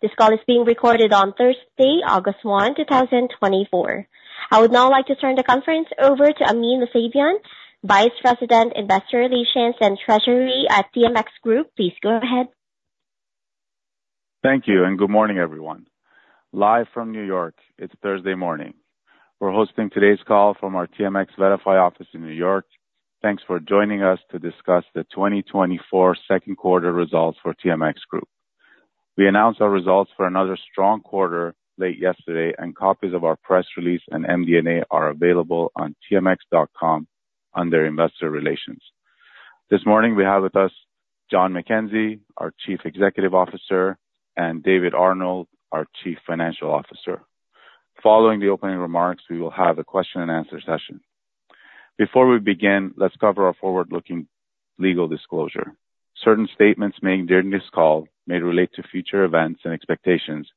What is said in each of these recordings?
This call is being recorded on Thursday, August 1, 2024. I would now like to turn the conference over to Amin Mousavian, Vice President, Investor Relations and Treasury at TMX Group. Please go ahead. Thank you, and good morning, everyone. Live from New York, it's Thursday morning. We're hosting today's call from our TMX VettaFi office in New York. Thanks for joining us to discuss the 2024 second quarter results for TMX Group. We announced our results for another strong quarter late yesterday, and copies of our press release and MD&A are available on tmx.com under Investor Relations. This morning, we have with us John McKenzie, our Chief Executive Officer, and David Arnold, our Chief Financial Officer. Following the opening remarks, we will have a question-and-answer session. Before we begin, let's cover our forward-looking legal disclosure. Certain statements made during this call may relate to future events and expectations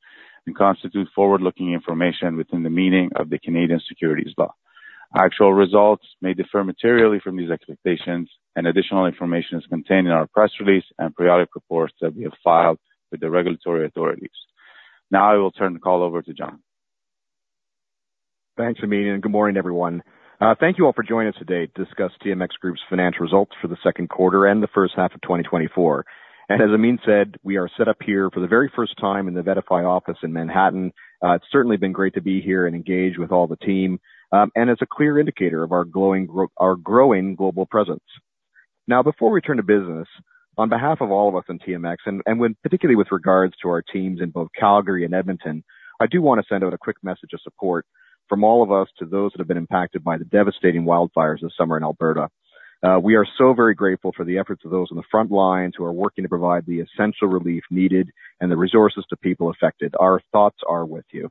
and constitute forward-looking information within the meaning of the Canadian Securities Law. Actual results may differ materially from these expectations, and additional information is contained in our press release and periodic reports that we have filed with the regulatory authorities. Now, I will turn the call over to John. Thanks, Amin, and good morning, everyone. Thank you all for joining us today to discuss TMX Group's financial results for the second quarter and the first half of 2024. As Amin said, we are set up here for the very first time in the VettaFi office in Manhattan. It's certainly been great to be here and engage with all the team, and it's a clear indicator of our growing global presence. Now, before we turn to business, on behalf of all of us in TMX, and particularly with regards to our teams in both Calgary and Edmonton, I do want to send out a quick message of support from all of us to those that have been impacted by the devastating wildfires this summer in Alberta. We are so very grateful for the efforts of those on the front lines who are working to provide the essential relief needed and the resources to people affected. Our thoughts are with you.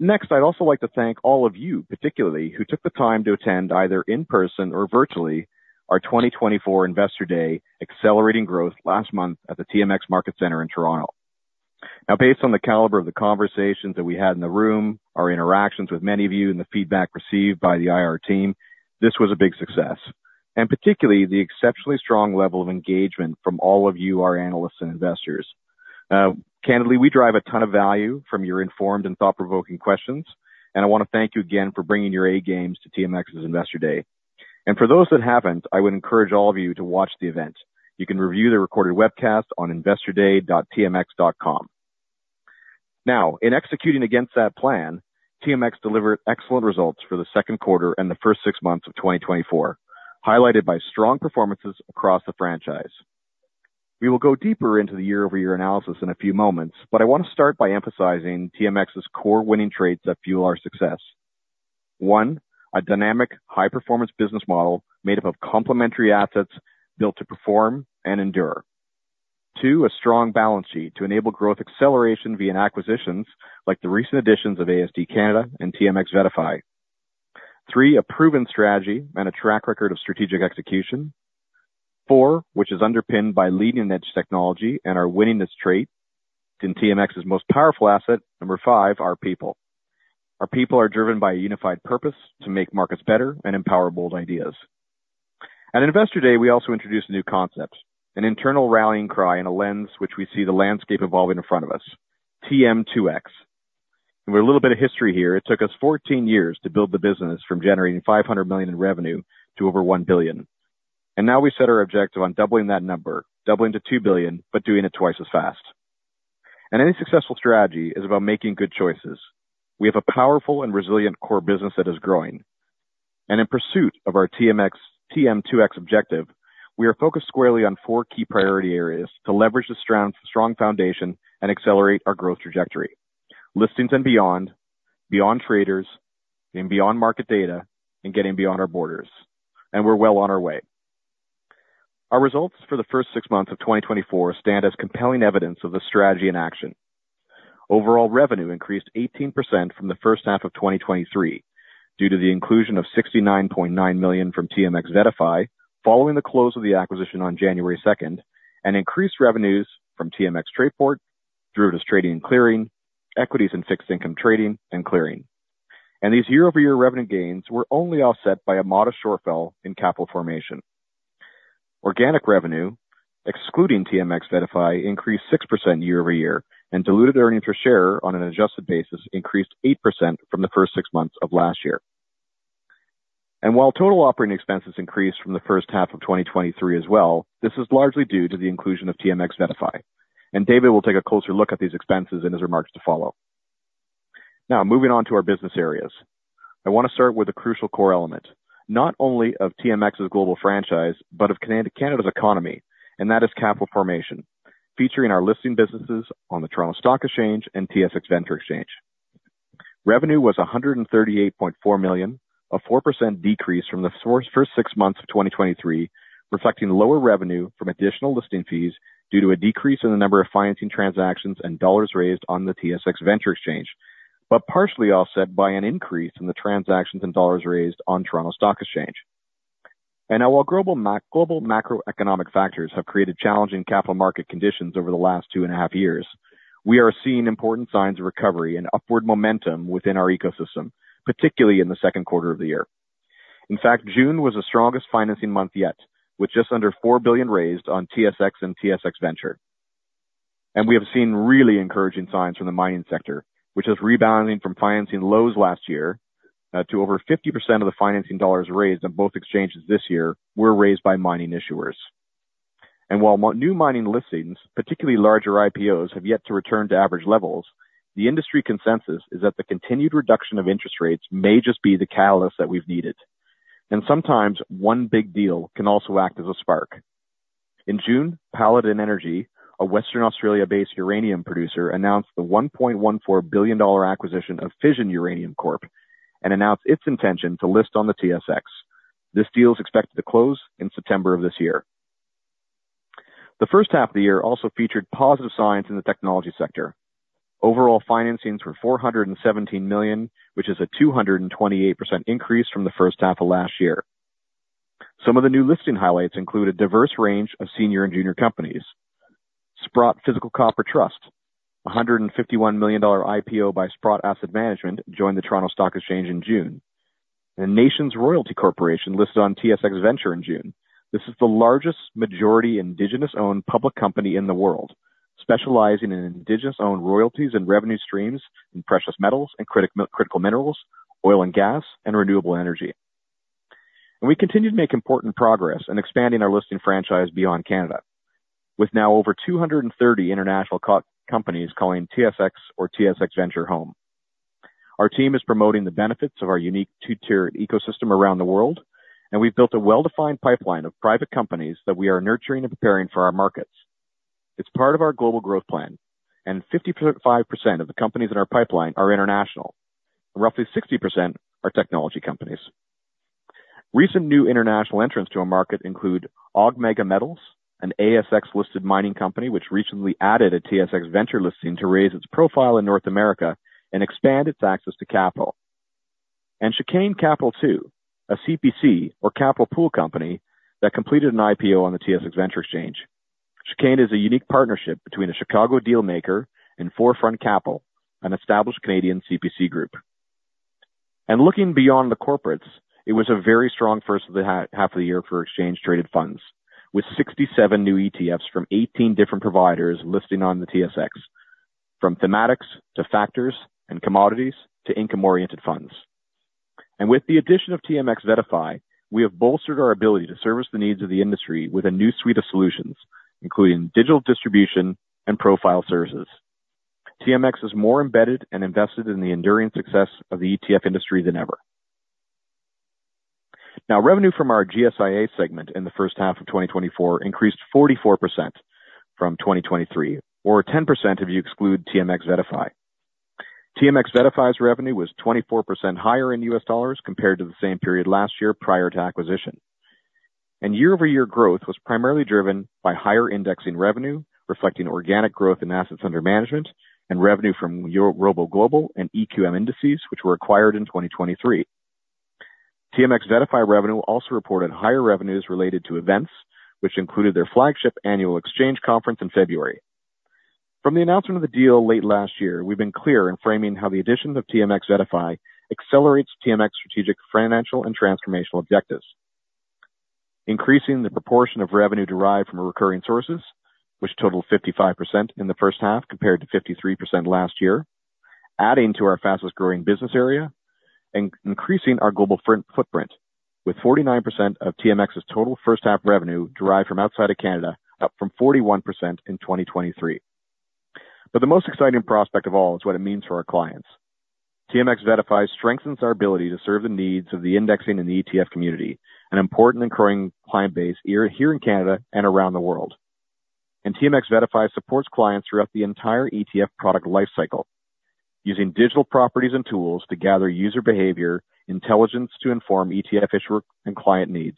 Next, I'd also like to thank all of you, particularly, who took the time to attend either in person or virtually our 2024 Investor Day Accelerating Growth last month at the TMX Market Centre in Toronto. Now, based on the caliber of the conversations that we had in the room, our interactions with many of you, and the feedback received by the IR team, this was a big success, and particularly the exceptionally strong level of engagement from all of you, our analysts and investors. Candidly, we drive a ton of value from your informed and thought-provoking questions, and I want to thank you again for bringing your A-games to TMX's Investor Day. For those that haven't, I would encourage all of you to watch the event. You can review the recorded webcast on investorday.tmx.com. Now, in executing against that plan, TMX delivered excellent results for the second quarter and the first six months of 2024, highlighted by strong performances across the franchise. We will go deeper into the year-over-year analysis in a few moments, but I want to start by emphasizing TMX's core winning traits that fuel our success. One, a dynamic, high-performance business model made up of complementary assets built to perform and endure. Two, a strong balance sheet to enable growth acceleration via acquisitions like the recent additions of AST Canada and TMX VettaFi. Three, a proven strategy and a track record of strategic execution. Four, which is underpinned by leading-edge technology and our winningness trait in TMX's most powerful asset. Number five, our people. Our people are driven by a unified purpose to make markets better and empower bold ideas. At Investor Day, we also introduced a new concept, an internal rallying cry in a lens which we see the landscape evolving in front of us, TM2X. With a little bit of history here, it took us 14 years to build the business from generating $ 500 million in revenue to over $ 1 billion. Now we set our objective on doubling that number, doubling to $ 2 billion, but doing it twice as fast. Any successful strategy is about making good choices. We have a powerful and resilient core business that is growing. In pursuit of our TM2X objective, we are focused squarely on four key priority areas to leverage the strong foundation and accelerate our growth trajectory: listings and beyond, beyond traders, and beyond market data, and getting beyond our borders. We're well on our way. Our results for the first six months of 2024 stand as compelling evidence of the strategy in action. Overall revenue increased 18% from the first half of 2023 due to the inclusion of $ 69.9 million from TMX VettaFi following the close of the acquisition on January 2nd, and increased revenues from TMX Trayport, Derivatives Trading and Clearing, Equities and Fixed Income Trading, and Clearing. These year-over-year revenue gains were only offset by a modest shortfall in capital formation. Organic revenue, excluding TMX VettaFi, increased 6% year-over-year, and diluted earnings per share on an adjusted basis increased 8% from the first six months of last year. While total operating expenses increased from the first half of 2023 as well, this is largely due to the inclusion of TMX VettaFi. David will take a closer look at these expenses in his remarks to follow. Now, moving on to our business areas, I want to start with a crucial core element, not only of TMX's global franchise, but of Canada's economy, and that is capital formation, featuring our listing businesses on the Toronto Stock Exchange and TSX Venture Exchange. Revenue was $ 138.4 million, a 4% decrease from the first six months of 2023, reflecting lower revenue from additional listing fees due to a decrease in the number of financing transactions and dollars raised on the TSX Venture Exchange, but partially offset by an increase in the transactions and dollars raised on Toronto Stock Exchange. Now, while global macroeconomic factors have created challenging capital market conditions over the last 2.5 years, we are seeing important signs of recovery and upward momentum within our ecosystem, particularly in the second quarter of the year. In fact, June was the strongest financing month yet, with just under $ 4 billion raised on TSX and TSX Venture. We have seen really encouraging signs from the mining sector, which has rebounded from financing lows last year to over 50% of the financing dollars raised on both exchanges this year were raised by mining issuers. While new mining listings, particularly larger IPOs, have yet to return to average levels, the industry consensus is that the continued reduction of interest rates may just be the catalyst that we've needed. Sometimes one big deal can also act as a spark. In June, Paladin Energy, a Western Australia-based uranium producer, announced the $1.14 billion acquisition of Fission Uranium Corp. and announced its intention to list on the TSX. This deal is expected to close in September of this year. The first half of the year also featured positive signs in the technology sector. Overall financings were $ 417 million, which is a 228% increase from the first half of last year. Some of the new listing highlights include a diverse range of senior and junior companies. Sprott Physical Copper Trust, a $151 million IPO by Sprott Asset Management, joined the Toronto Stock Exchange in June. The Nations Royalty Corporation listed on TSX Venture in June. This is the largest majority indigenous-owned public company in the world, specializing in indigenous-owned royalties and revenue streams in precious metals and critical minerals, oil and gas, and renewable energy. We continue to make important progress in expanding our listing franchise beyond Canada, with now over 230 international companies calling TSX or TSX Venture home. Our team is promoting the benefits of our unique two-tiered ecosystem around the world, and we've built a well-defined pipeline of private companies that we are nurturing and preparing for our markets. It's part of our global growth plan, and 55% of the companies in our pipeline are international, and roughly 60% are technology companies. Recent new international entrants to our market include AuMega Metals, an ASX-listed mining company which recently added a TSX Venture listing to raise its profile in North America and expand its access to capital. Chicane Capital II, a CPC or capital pool company that completed an IPO on the TSX Venture Exchange. Chicane is a unique partnership between a Chicago dealmaker and Forefront Capital, an established Canadian CPC group. Looking beyond the corporates, it was a very strong first half of the year for exchange-traded funds, with 67 new ETFs from 18 different providers listing on the TSX, from thematics to factors and commodities to income-oriented funds. With the addition of TMX VettaFi, we have bolstered our ability to service the needs of the industry with a new suite of solutions, including digital distribution and profile services. TMX is more embedded and invested in the enduring success of the ETF industry than ever. Now, revenue from our GSIA segment in the first half of 2024 increased 44% from 2023, or 10% if you exclude TMX VettaFi. TMX VettaFi's revenue was 24% higher in U.S. dollars compared to the same period last year prior to acquisition. Year-over-year growth was primarily driven by higher indexing revenue, reflecting organic growth in assets under management, and revenue from our ROBO Global and EQM Indices, which were acquired in 2023. TMX VettaFi revenue also reported higher revenues related to events, which included their flagship annual exchange conference in February. From the announcement of the deal late last year, we've been clear in framing how the addition of TMX VettaFi accelerates TMX's strategic financial and transformational objectives. Increasing the proportion of revenue derived from recurring sources, which totaled 55% in the first half compared to 53% last year, adding to our fastest-growing business area, and increasing our global footprint, with 49% of TMX's total first-half revenue derived from outside of Canada, up from 41% in 2023. The most exciting prospect of all is what it means for our clients. TMX VettaFi strengthens our ability to serve the needs of the indexing and the ETF community, an important and growing client base here in Canada and around the world. TMX VettaFi supports clients throughout the entire ETF product lifecycle, using digital properties and tools to gather user behavior intelligence to inform ETF issuer and client needs,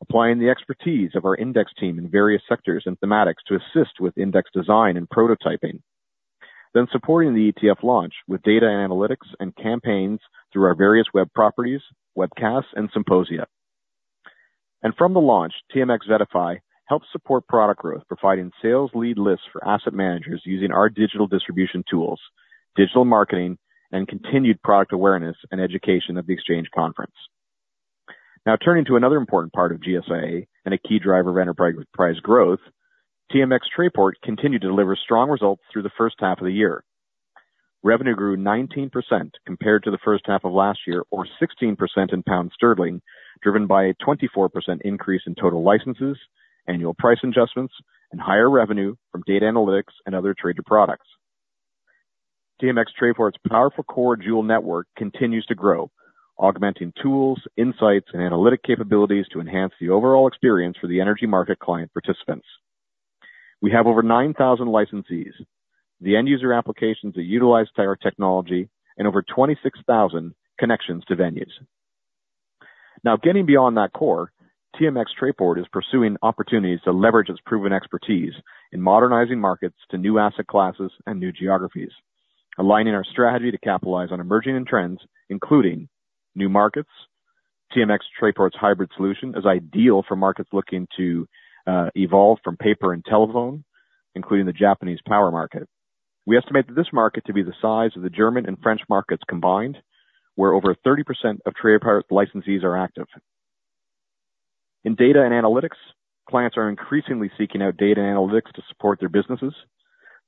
applying the expertise of our index team in various sectors and thematics to assist with index design and prototyping, then supporting the ETF launch with data and analytics and campaigns through our various web properties, webcasts, and symposia. From the launch, TMX VettaFi helps support product growth, providing sales lead lists for asset managers using our digital distribution tools, digital marketing, and continued product awareness and education at the exchange conference. Now, turning to another important part of GSIA and a key driver of enterprise growth, TMX Trayport continued to deliver strong results through the first half of the year. Revenue grew 19% compared to the first half of last year, or 16% in pound sterling, driven by a 24% increase in total licenses, annual price adjustments, and higher revenue from data analytics and other trader products. TMX Trayport's powerful core dual network continues to grow, augmenting tools, insights, and analytic capabilities to enhance the overall experience for the energy market client participants. We have over 9,000 licensees, the end-user applications that utilize our technology, and over 26,000 connections to venues. Now, getting beyond that core, TMX Trayport is pursuing opportunities to leverage its proven expertise in modernizing markets to new asset classes and new geographies, aligning our strategy to capitalize on emerging trends, including new markets. TMX Trayport's hybrid solution is ideal for markets looking to evolve from paper and telephone, including the Japanese power market. We estimate that this market to be the size of the German and French markets combined, where over 30% of Trayport licensees are active. In data and analytics, clients are increasingly seeking out data and analytics to support their businesses.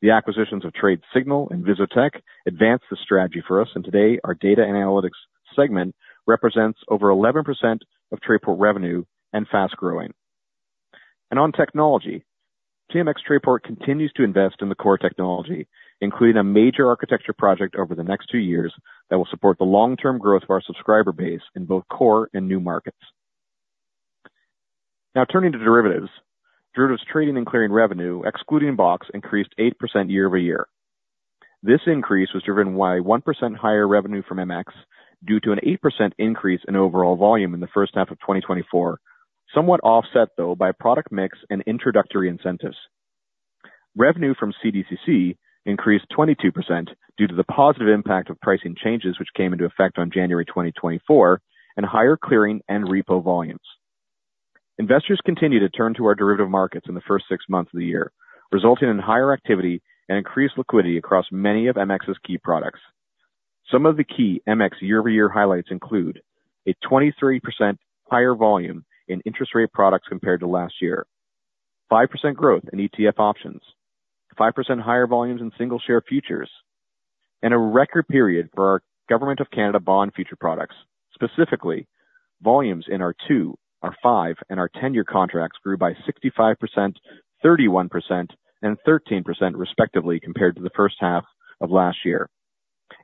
The acquisitions of Tradesignal and VisoTech advance the strategy for us, and today our data and analytics segment represents over 11% of Trayport revenue and fast growing. On technology, TMX Trayport continues to invest in the core technology, including a major architecture project over the next two years that will support the long-term growth of our subscriber base in both core and new markets. Now, turning to derivatives, Derivatives Trading and Clearing Revenue, excluding BOX, increased 8% year-over-year. This increase was driven by 1% higher revenue from MX due to an 8% increase in overall volume in the first half of 2024, somewhat offset, though, by product mix and introductory incentives. Revenue from CDCC increased 22% due to the positive impact of pricing changes, which came into effect on January 2024, and higher clearing and repo volumes. Investors continue to turn to our derivative markets in the first six months of the year, resulting in higher activity and increased liquidity across many of MX's key products. Some of the key MX year-over-year highlights include a 23% higher volume in interest rate products compared to last year, 5% growth in ETF options, 5% higher volumes in single-share futures, and a record period for our Government of Canada bond future products. Specifically, volumes in our 2-year, 5-year, and 10-year contracts grew by 65%, 31%, and 13% respectively compared to the first half of last year.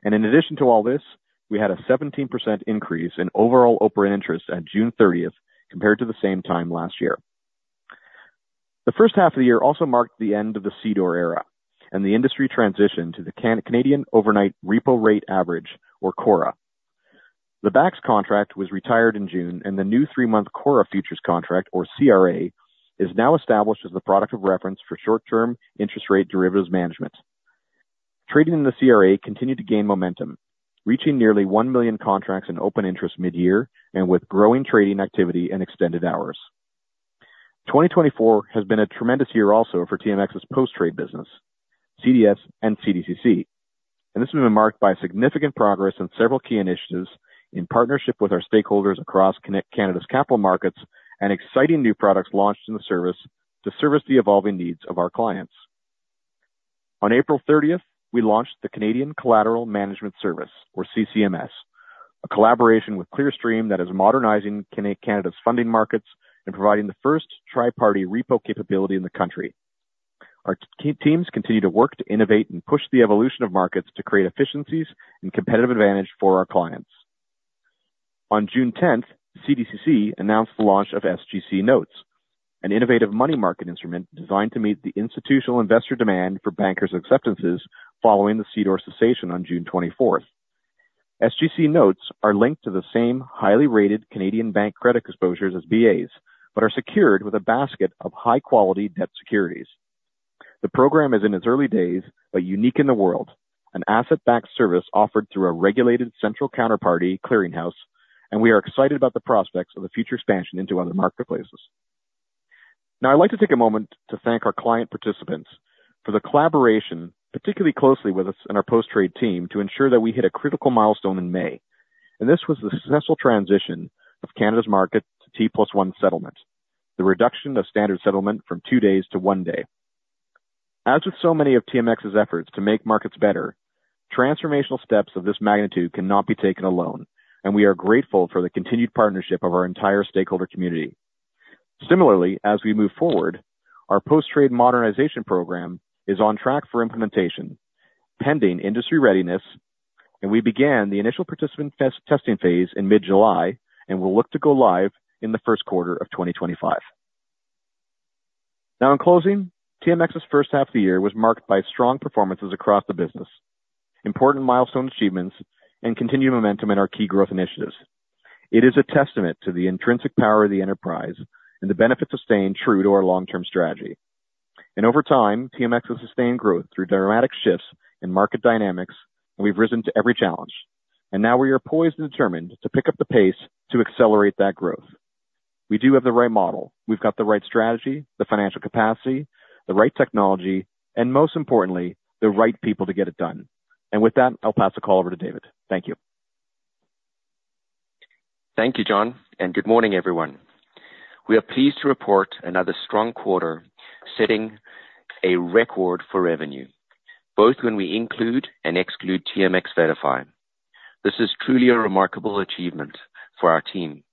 And in addition to all this, we had a 17% increase in overall open interest on June 30th compared to the same time last year. The first half of the year also marked the end of the CDOR era and the industry transition to the Canadian Overnight Repo Rate Average, or CORRA. The BAX contract was retired in June, and the new three-month CORRA futures contract, or CRA, is now established as the product of reference for short-term interest rate derivatives management. Trading in the CRA continued to gain momentum, reaching nearly 1 million contracts in open interest mid-year and with growing trading activity and extended hours. 2024 has been a tremendous year also for TMX's post-trade business, CDS, and CDCC, and this has been marked by significant progress in several key initiatives in partnership with our stakeholders across Canada's capital markets and exciting new products launched in the service to service the evolving needs of our clients. On April 30th, we launched the Canadian Collateral Management Service, or CCMS, a collaboration with Clearstream that is modernizing Canada's funding markets and providing the first triparty repo capability in the country. Our teams continue to work to innovate and push the evolution of markets to create efficiencies and competitive advantage for our clients. On June 10th, CDCC announced the launch of SGC Notes, an innovative money market instrument designed to meet the institutional investor demand for bankers' acceptances following the CDOR cessation on June 24th. SGC Notes are linked to the same highly rated Canadian bank credit exposures as BAX, but are secured with a basket of high-quality debt securities. The program is in its early days, but unique in the world, an asset-backed service offered through a regulated central counterparty clearinghouse, and we are excited about the prospects of the future expansion into other marketplaces. Now, I'd like to take a moment to thank our client participants for the collaboration particularly closely with us and our post-trade team to ensure that we hit a critical milestone in May. This was the successful transition of Canada's market to T+1 settlement, the reduction of standard settlement from two days to one day. As with so many of TMX's efforts to make markets better, transformational steps of this magnitude cannot be taken alone, and we are grateful for the continued partnership of our entire stakeholder community. Similarly, as we move forward, our post-trade modernization program is on track for implementation, pending industry readiness, and we began the initial participant testing phase in mid-July and will look to go live in the first quarter of 2025. Now, in closing, TMX's first half of the year was marked by strong performances across the business, important milestone achievements, and continued momentum in our key growth initiatives. It is a testament to the intrinsic power of the enterprise and the benefits of staying true to our long-term strategy. Over time, TMX has sustained growth through dramatic shifts in market dynamics, and we've risen to every challenge. Now we are poised and determined to pick up the pace to accelerate that growth. We do have the right model. We've got the right strategy, the financial capacity, the right technology, and most importantly, the right people to get it done. With that, I'll pass the call over to David. Thank you. Thank you, John, and good morning, everyone. We are pleased to report another strong quarter setting a record for revenue, both when we include and exclude TMX VettaFi. This is truly a remarkable achievement for our team,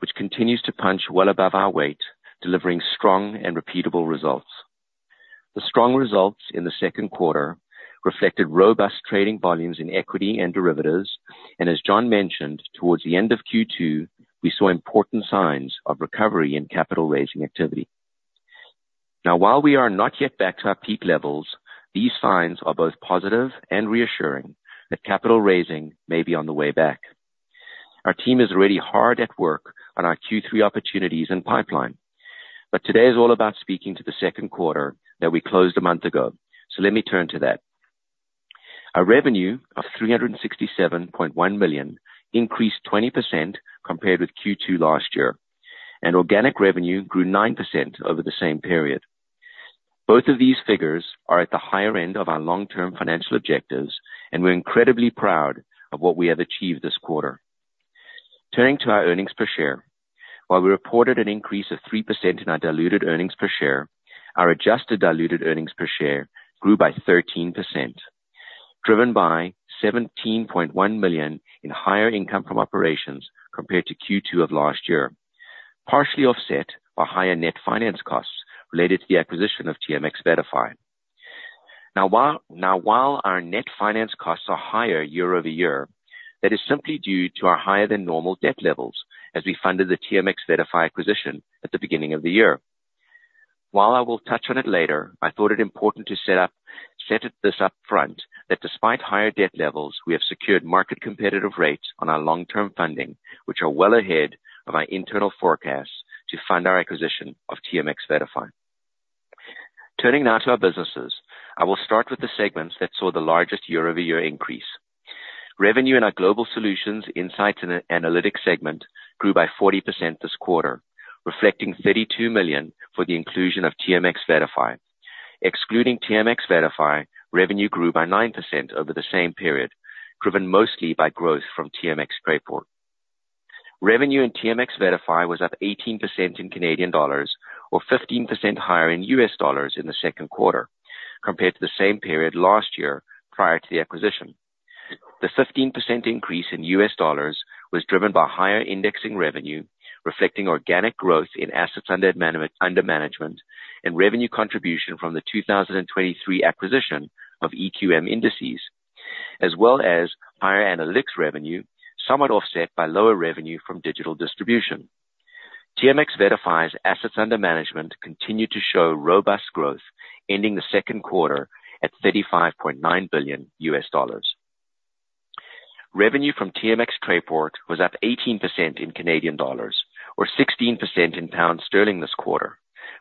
which continues to punch well above our weight, delivering strong and repeatable results. The strong results in the second quarter reflected robust trading volumes in equity and derivatives, and as John mentioned, towards the end of Q2, we saw important signs of recovery in capital-raising activity. Now, while we are not yet back to our peak levels, these signs are both positive and reassuring that capital raising may be on the way back. Our team is already hard at work on our Q3 opportunities and pipeline, but today is all about speaking to the second quarter that we closed a month ago, so let me turn to that. Our revenue of $ 367.1 million increased 20% compared with Q2 last year, and organic revenue grew 9% over the same period. Both of these figures are at the higher end of our long-term financial objectives, and we're incredibly proud of what we have achieved this quarter. Turning to our earnings per share, while we reported an increase of 3% in our diluted earnings per share, our adjusted diluted earnings per share grew by 13%, driven by $ 17.1 million in higher income from operations compared to Q2 of last year, partially offset by higher net finance costs related to the acquisition of TMX VettaFi. Now, while our net finance costs are higher year-over-year, that is simply due to our higher-than-normal debt levels as we funded the TMX VettaFi acquisition at the beginning of the year. While I will touch on it later, I thought it important to set this up front that despite higher debt levels, we have secured market-competitive rates on our long-term funding, which are well ahead of our internal forecasts to fund our acquisition of TMX VettaFi. Turning now to our businesses, I will start with the segments that saw the largest year-over-year increase. Revenue in our global solutions, insights, and analytics segment grew by 40% this quarter, reflecting $ 32 million for the inclusion of TMX VettaFi. Excluding TMX VettaFi, revenue grew by 9% over the same period, driven mostly by growth from TMX Trayport. Revenue in TMX VettaFi was up 18% in Canadian dollars, or 15% higher in U.S. dollars in the second quarter compared to the same period last year prior to the acquisition. The 15% increase in U.S. dollars was driven by higher indexing revenue, reflecting organic growth in assets under management and revenue contribution from the 2023 acquisition of EQM Indices, as well as higher analytics revenue, somewhat offset by lower revenue from digital distribution. TMX VettaFi's assets under management continued to show robust growth, ending the second quarter at $35.9 billion. Revenue from TMX Trayport was up 18% in Canadian dollars, or 16% in pound sterling this quarter,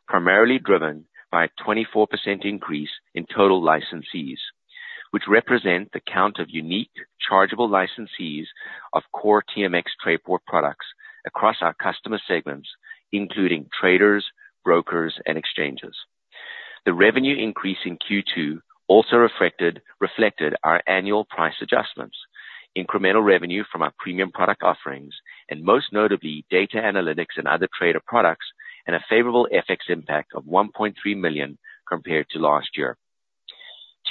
primarily driven by a 24% increase in total licensees, which represent the count of unique chargeable licensees of core TMX Trayport products across our customer segments, including traders, brokers, and exchanges. The revenue increase in Q2 also reflected our annual price adjustments, incremental revenue from our premium product offerings, and most notably, data analytics and other trader products, and a favorable FX impact of $ 1.3 million compared to last year.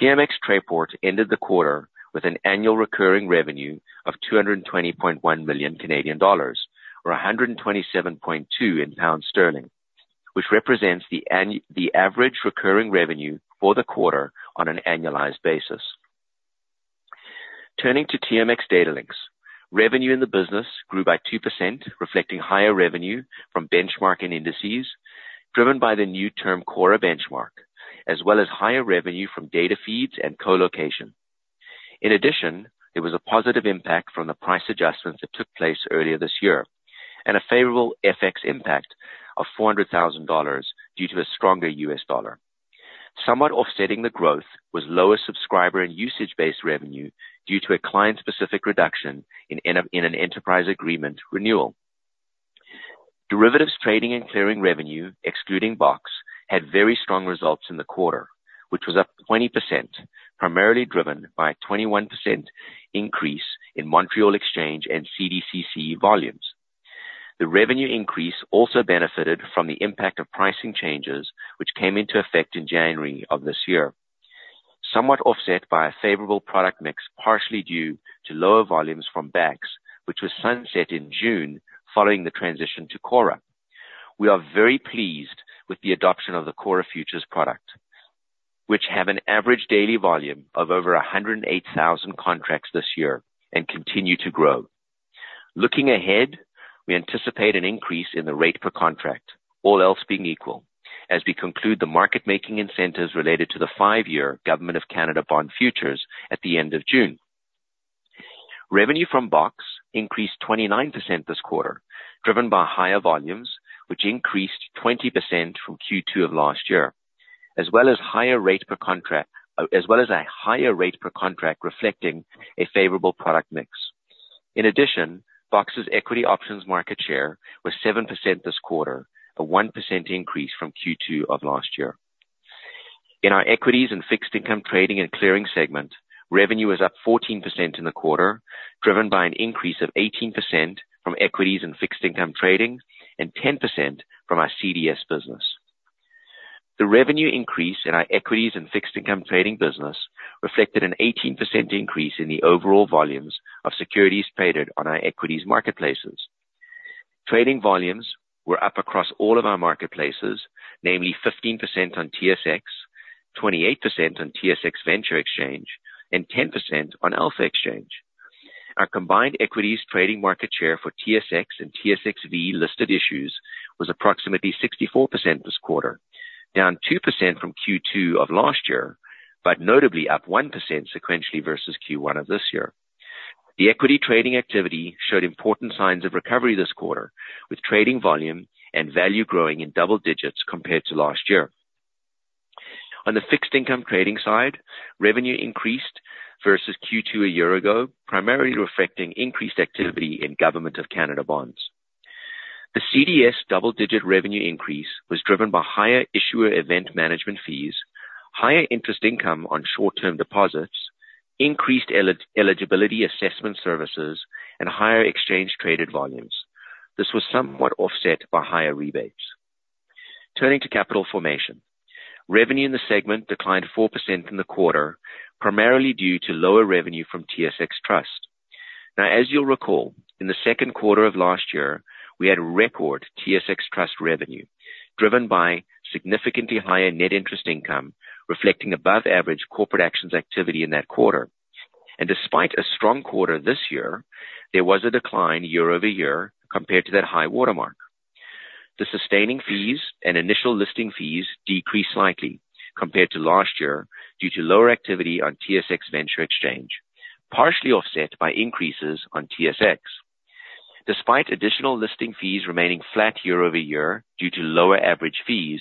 TMX Trayport ended the quarter with an annual recurring revenue of 220.1 million Canadian dollars, or 127.2 million pounds, which represents the average recurring revenue for the quarter on an annualized basis. Turning to TMX Datalinx, revenue in the business grew by 2%, reflecting higher revenue from benchmarking indices, driven by the new Term CORRA benchmark, as well as higher revenue from data feeds and colocation. In addition, there was a positive impact from the price adjustments that took place earlier this year and a favorable FX impact of $400,000 due to a stronger U.S. dollar. Somewhat offsetting the growth was lower subscriber and usage-based revenue due to a client-specific reduction in an enterprise agreement renewal. Derivatives trading and clearing revenue, excluding box, had very strong results in the quarter, which was up 20%, primarily driven by a 21% increase in Montreal Exchange and CDCC volumes. The revenue increase also benefited from the impact of pricing changes, which came into effect in January of this year, somewhat offset by a favorable product mix, partially due to lower volumes from BAX, which was sunset in June following the transition to CORRA. We are very pleased with the adoption of the CORRA futures product, which have an average daily volume of over 108,000 contracts this year and continue to grow. Looking ahead, we anticipate an increase in the rate per contract, all else being equal, as we conclude the market-making incentives related to the five-year Government of Canada bond futures at the end of June. Revenue from BOX increased 29% this quarter, driven by higher volumes, which increased 20% from Q2 of last year, as well as a higher rate per contract, reflecting a favorable product mix. In addition, BOX's equity options market share was 7% this quarter, a 1% increase from Q2 of last year. In our equities and fixed income trading and clearing segment, revenue is up 14% in the quarter, driven by an increase of 18% from equities and fixed income trading and 10% from our CDS business. The revenue increase in our equities and fixed income trading business reflected an 18% increase in the overall volumes of securities traded on our equities marketplaces. Trading volumes were up across all of our marketplaces, namely 15% on TSX, 28% on TSX Venture Exchange, and 10% on Alpha Exchange. Our combined equities trading market share for TSX and TSXV listed issues was approximately 64% this quarter, down 2% from Q2 of last year, but notably up 1% sequentially versus Q1 of this year. The equity trading activity showed important signs of recovery this quarter, with trading volume and value growing in double digits compared to last year. On the fixed income trading side, revenue increased versus Q2 a year ago, primarily reflecting increased activity in Government of Canada bonds. The CDS double-digit revenue increase was driven by higher issuer event management fees, higher interest income on short-term deposits, increased eligibility assessment services, and higher exchange-traded volumes. This was somewhat offset by higher rebates. Turning to capital formation, revenue in the segment declined 4% in the quarter, primarily due to lower revenue from TSX Trust. Now, as you'll recall, in the second quarter of last year, we had record TSX Trust revenue, driven by significantly higher net interest income, reflecting above-average corporate actions activity in that quarter. Despite a strong quarter this year, there was a decline year-over-year compared to that high watermark. The sustaining fees and initial listing fees decreased slightly compared to last year due to lower activity on TSX Venture Exchange, partially offset by increases on TSX. Despite additional listing fees remaining flat year-over-year due to lower average fees,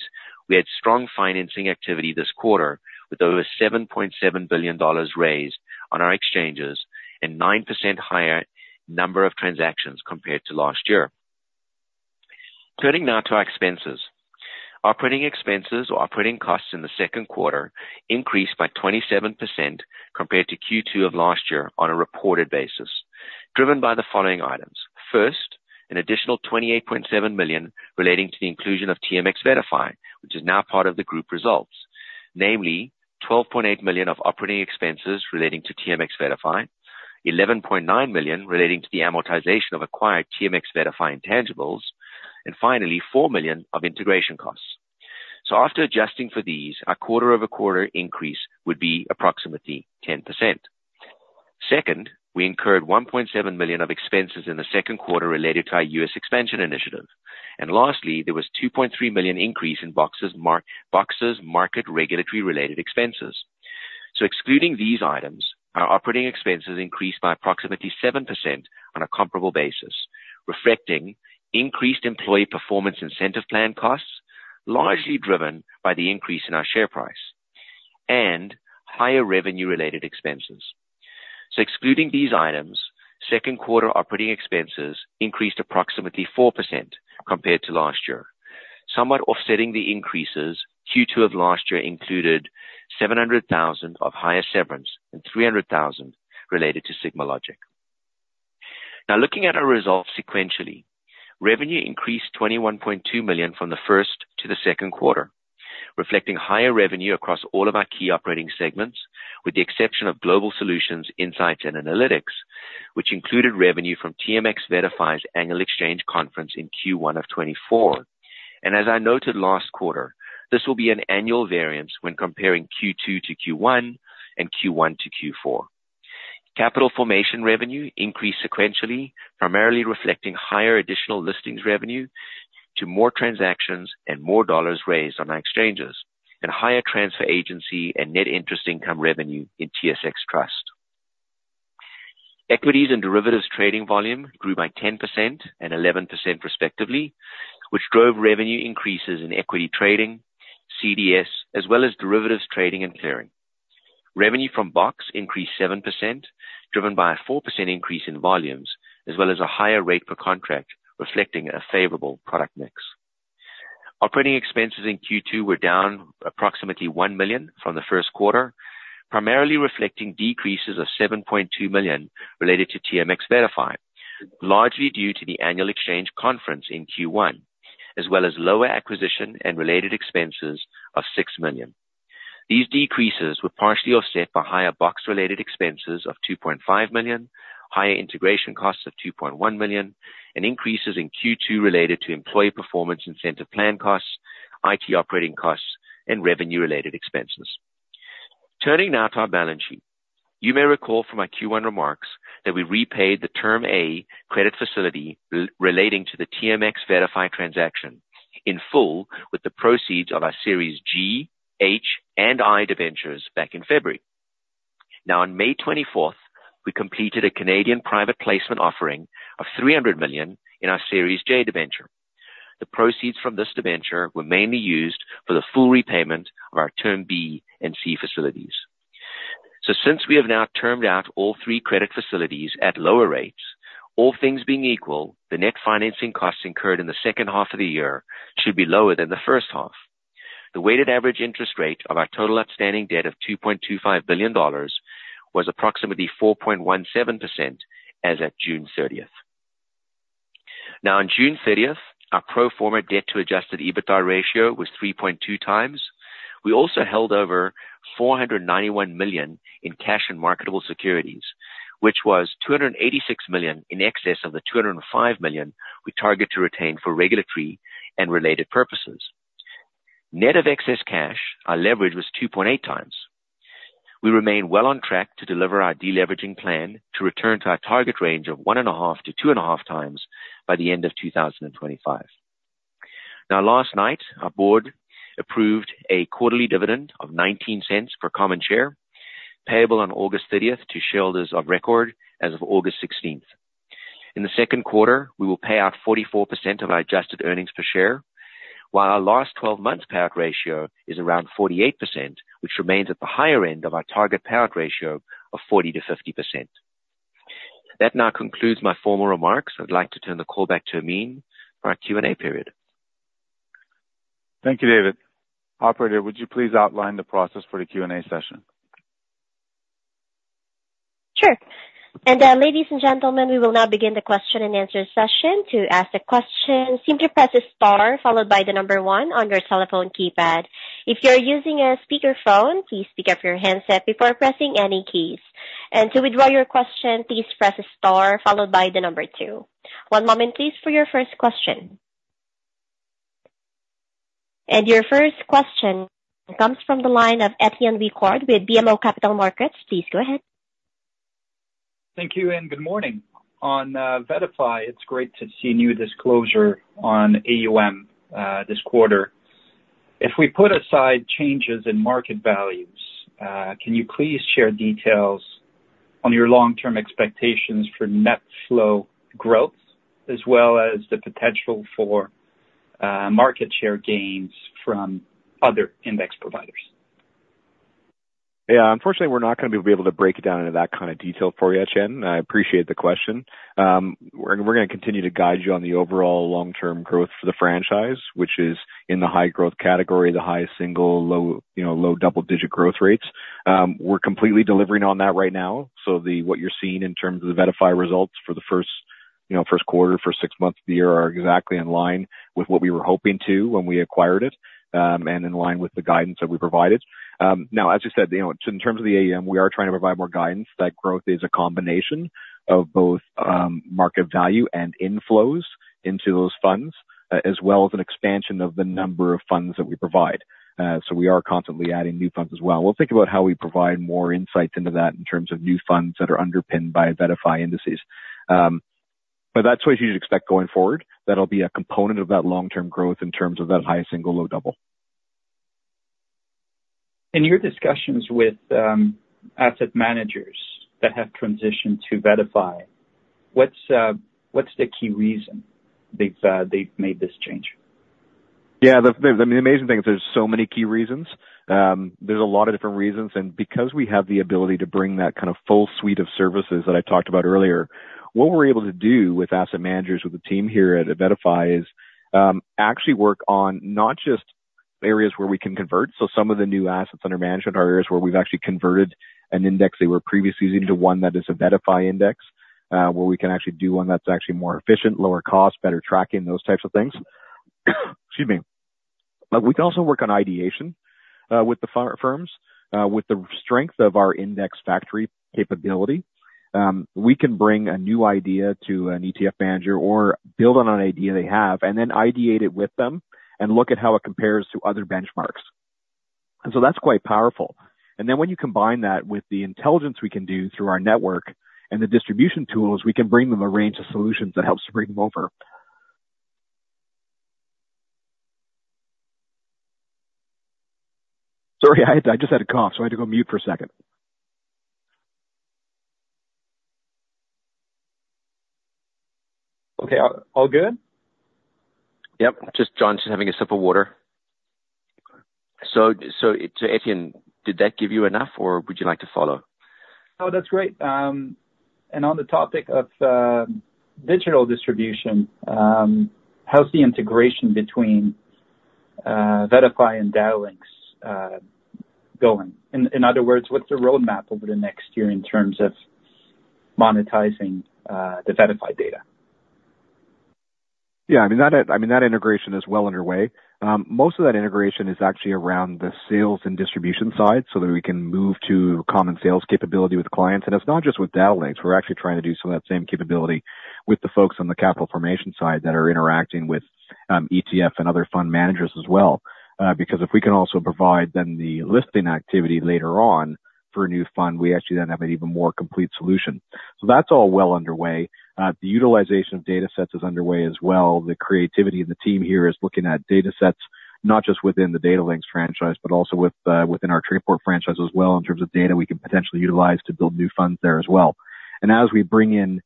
we had strong financing activity this quarter, with over $ 7.7 billion raised on our exchanges and 9% higher number of transactions compared to last year. Turning now to our expenses, operating expenses or operating costs in the second quarter increased by 27% compared to Q2 of last year on a reported basis, driven by the following items. First, an additional $ 28.7 million relating to the inclusion of TMX VettaFi, which is now part of the group results, namely $ 12.8 million of operating expenses relating to TMX VettaFi, $ 11.9 million relating to the amortization of acquired TMX VettaFi intangibles, and finally, $ 4 million of integration costs. So after adjusting for these, our quarter-over-quarter increase would be approximately 10%. Second, we incurred $ 1.7 million of expenses in the second quarter related to our U.S. expansion initiative. And lastly, there was a $ 2.3 million increase in BOX's market regulatory-related expenses. So excluding these items, our operating expenses increased by approximately 7% on a comparable basis, reflecting increased employee performance incentive plan costs, largely driven by the increase in our share price, and higher revenue-related expenses. So excluding these items, second quarter operating expenses increased approximately 4% compared to last year, somewhat offsetting the increases. Q2 of last year included $ 700,000 of higher severance and $ 300,000 related to SigmaLogic. Now, looking at our results sequentially, revenue increased $ 21.2 million from the first to the second quarter, reflecting higher revenue across all of our key operating segments, with the exception of global solutions, insights, and analytics, which included revenue from TMX VettaFi's annual exchange conference in Q1 of 2024. And as I noted last quarter, this will be an annual variance when comparing Q2 to Q1 and Q1 to Q4. Capital formation revenue increased sequentially, primarily reflecting higher additional listings revenue to more transactions and more dollars raised on our exchanges, and higher transfer agency and net interest income revenue in TSX Trust. Equities and derivatives trading volume grew by 10% and 11% respectively, which drove revenue increases in equity trading, CDS, as well as derivatives trading and clearing. Revenue from BOX increased 7%, driven by a 4% increase in volumes, as well as a higher rate per contract, reflecting a favorable product mix. Operating expenses in Q2 were down approximately $ 1 million from the first quarter, primarily reflecting decreases of $ 7.2 million related to TMX VettaFi, largely due to the annual exchange conference in Q1, as well as lower acquisition and related expenses of $ 6 million. These decreases were partially offset by higher BOX-related expenses of $ 2.5 million, higher integration costs of $ 2.1 million, and increases in Q2 related to employee performance incentive plan costs, IT operating costs, and revenue-related expenses. Turning now to our balance sheet, you may recall from our Q1 remarks that we repaid the Term A credit facility relating to the TMX VettaFi transaction in full with the proceeds of our Series G, H, and I debentures back in February. Now, on May 24th, we completed a Canadian private placement offering of $ 300 million in our Series J debenture. The proceeds from this debenture were mainly used for the full repayment of our Term B and C facilities. So since we have now termed out all three credit facilities at lower rates, all things being equal, the net financing costs incurred in the second half of the year should be lower than the first half. The weighted average interest rate of our total outstanding debt of $ 2.25 billion was approximately 4.17% as of June 30th. Now, on June 30th, our pro forma debt-to-adjusted EBITDA ratio was 3.2 times. We also held over $ 491 million in cash and marketable securities, which was $ 286 million in excess of the $ 205 million we target to retain for regulatory and related purposes. Net of excess cash, our leverage was 2.8x. We remain well on track to deliver our deleveraging plan to return to our target range of 1.5x-2.5x by the end of 2025. Now, last night, our board approved a quarterly dividend of $ 0.19 per common share, payable on August 30th to shareholders of record as of August 16th. In the second quarter, we will pay out 44% of our adjusted earnings per share, while our last 12-month payout ratio is around 48%, which remains at the higher end of our target payout ratio of 40%-50%. That now concludes my formal remarks. I'd like to turn the call back to Amin for our Q&A period. Thank you, David. Operator, would you please outline the process for the Q&A session? Sure. Ladies and gentlemen, we will now begin the question and answer session. To ask a question, simply press a star followed by the number one on your telephone keypad. If you're using a speakerphone, please pick up your handset before pressing any keys. To withdraw your question, please press a star followed by the number two. One moment, please, for your first question. Your first question comes from the line of Étienne Ricard with BMO Capital Markets. Please go ahead. Thank you and good morning. On VettaFi, it's great to see new disclosure on AUM this quarter. If we put aside changes in market values, can you please share details on your long-term expectations for net flow growth, as well as the potential for market share gains from other index providers? Yeah. Unfortunately, we're not going to be able to break it down into that kind of detail for you, Étienne. I appreciate the question. We're going to continue to guide you on the overall long-term growth for the franchise, which is in the high growth category, the high single, low double-digit growth rates. We're completely delivering on that right now. So what you're seeing in terms of the VettaFi results for the first quarter, for six months of the year, are exactly in line with what we were hoping to when we acquired it and in line with the guidance that we provided. Now, as you said, in terms of the AUM, we are trying to provide more guidance. That growth is a combination of both market value and inflows into those funds, as well as an expansion of the number of funds that we provide. We are constantly adding new funds as well. We'll think about how we provide more insights into that in terms of new funds that are underpinned by VettaFi indices. But that's what you should expect going forward. That'll be a component of that long-term growth in terms of that high single, low double. In your discussions with asset managers that have transitioned to VettaFi, what's the key reason they've made this change? Yeah. The amazing thing is there's so many key reasons. There's a lot of different reasons. And because we have the ability to bring that kind of full suite of services that I talked about earlier, what we're able to do with asset managers, with the team here at VettaFi, is actually work on not just areas where we can convert. So some of the new assets under management are areas where we've actually converted an index they were previously using to one that is a VettaFi index, where we can actually do one that's actually more efficient, lower cost, better tracking, those types of things. Excuse me. But we can also work on ideation with the firms. With the strength of our index factory capability, we can bring a new idea to an ETF manager or build on an idea they have, and then ideate it with them and look at how it compares to other benchmarks. And so that's quite powerful. And then when you combine that with the intelligence we can do through our network and the distribution tools, we can bring them a range of solutions that helps to bring them over. Sorry, I just had a cough, so I had to go mute for a second. Okay. All good? Yep. Just John just having a sip of water. So Étienne, did that give you enough, or would you like to follow? Oh, that's great. And on the topic of digital distribution, how's the integration between VettaFi and Datalinx going? In other words, what's the roadmap over the next year in terms of monetizing the VettFi data? Yeah. I mean, that integration is well underway. Most of that integration is actually around the sales and distribution side so that we can move to common sales capability with clients. And it's not just with Datalinx. We're actually trying to do some of that same capability with the folks on the capital formation side that are interacting with ETF and other fund managers as well. Because if we can also provide then the listing activity later on for a new fund, we actually then have an even more complete solution. So that's all well underway. The utilization of data sets is underway as well. The creativity in the team here is looking at data sets, not just within the Datalinx franchise, but also within our Trayport franchise as well in terms of data we can potentially utilize to build new funds there as well. As we bring in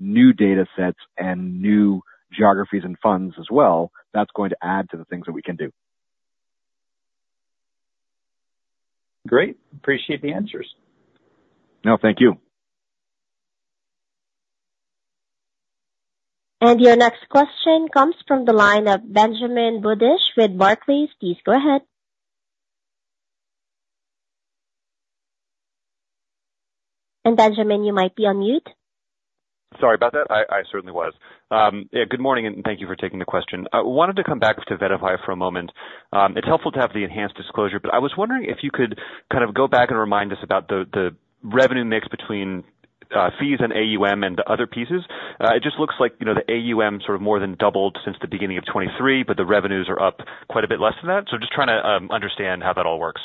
new data sets and new geographies and funds as well, that's going to add to the things that we can do. Great. Appreciate the answers. No, thank you. Your next question comes from the line of Benjamin Budish with Barclays. Please go ahead. Benjamin, you might be on mute. Sorry about that. I certainly was. Yeah. Good morning, and thank you for taking the question. I want to come back to VettaFi for a moment. It's helpful to have the enhanced disclosure, but I was wondering if you could kind of go back and remind us about the revenue mix between fees and AUM and the other pieces. It just looks like the AUM sort of more than doubled since the beginning of 2023, but the revenues are up quite a bit less than that. So just trying to understand how that all works.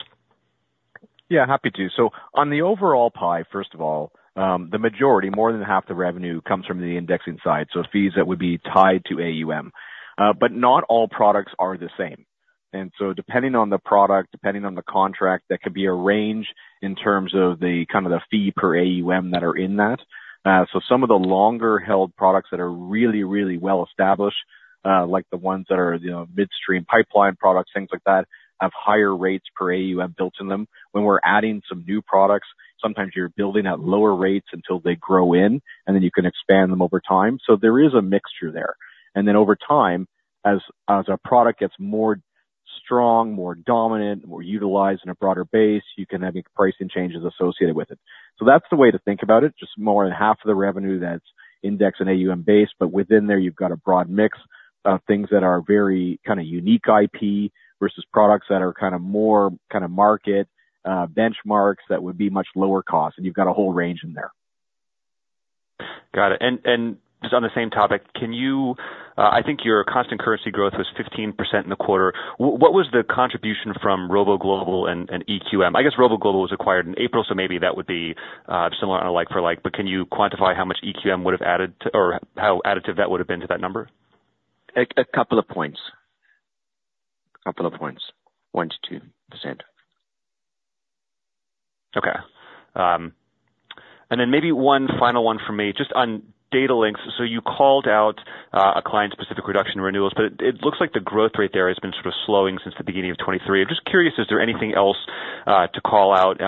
Yeah. Happy to. So on the overall pie, first of all, the majority, more than half the revenue comes from the indexing side, so fees that would be tied to AUM. But not all products are the same. And so depending on the product, depending on the contract, that can be a range in terms of the kind of the fee per AUM that are in that. So some of the longer-held products that are really, really well established, like the ones that are midstream pipeline products, things like that, have higher rates per AUM built in them. When we're adding some new products, sometimes you're building at lower rates until they grow in, and then you can expand them over time. So there is a mixture there. Then over time, as a product gets more strong, more dominant, more utilized in a broader base, you can have pricing changes associated with it. That's the way to think about it. Just more than half of the revenue that's indexed and AUM-based, but within there, you've got a broad mix of things that are very kind of unique IP versus products that are kind of more kind of market benchmarks that would be much lower cost. You've got a whole range in there. Got it. And just on the same topic, can you? I think your constant currency growth was 15% in the quarter. What was the contribution from Robo Global and EQM? I guess Robo Global was acquired in April, so maybe that would be similar on a like-for-like. But can you quantify how much EQM would have added to or how additive that would have been to that number? A couple of points. A couple of points. 1%-2%. Okay. And then maybe one final one for me. Just on Datalinx, so you called out a client-specific reduction in renewals, but it looks like the growth rate there has been sort of slowing since the beginning of 2023. I'm just curious, is there anything else to call out?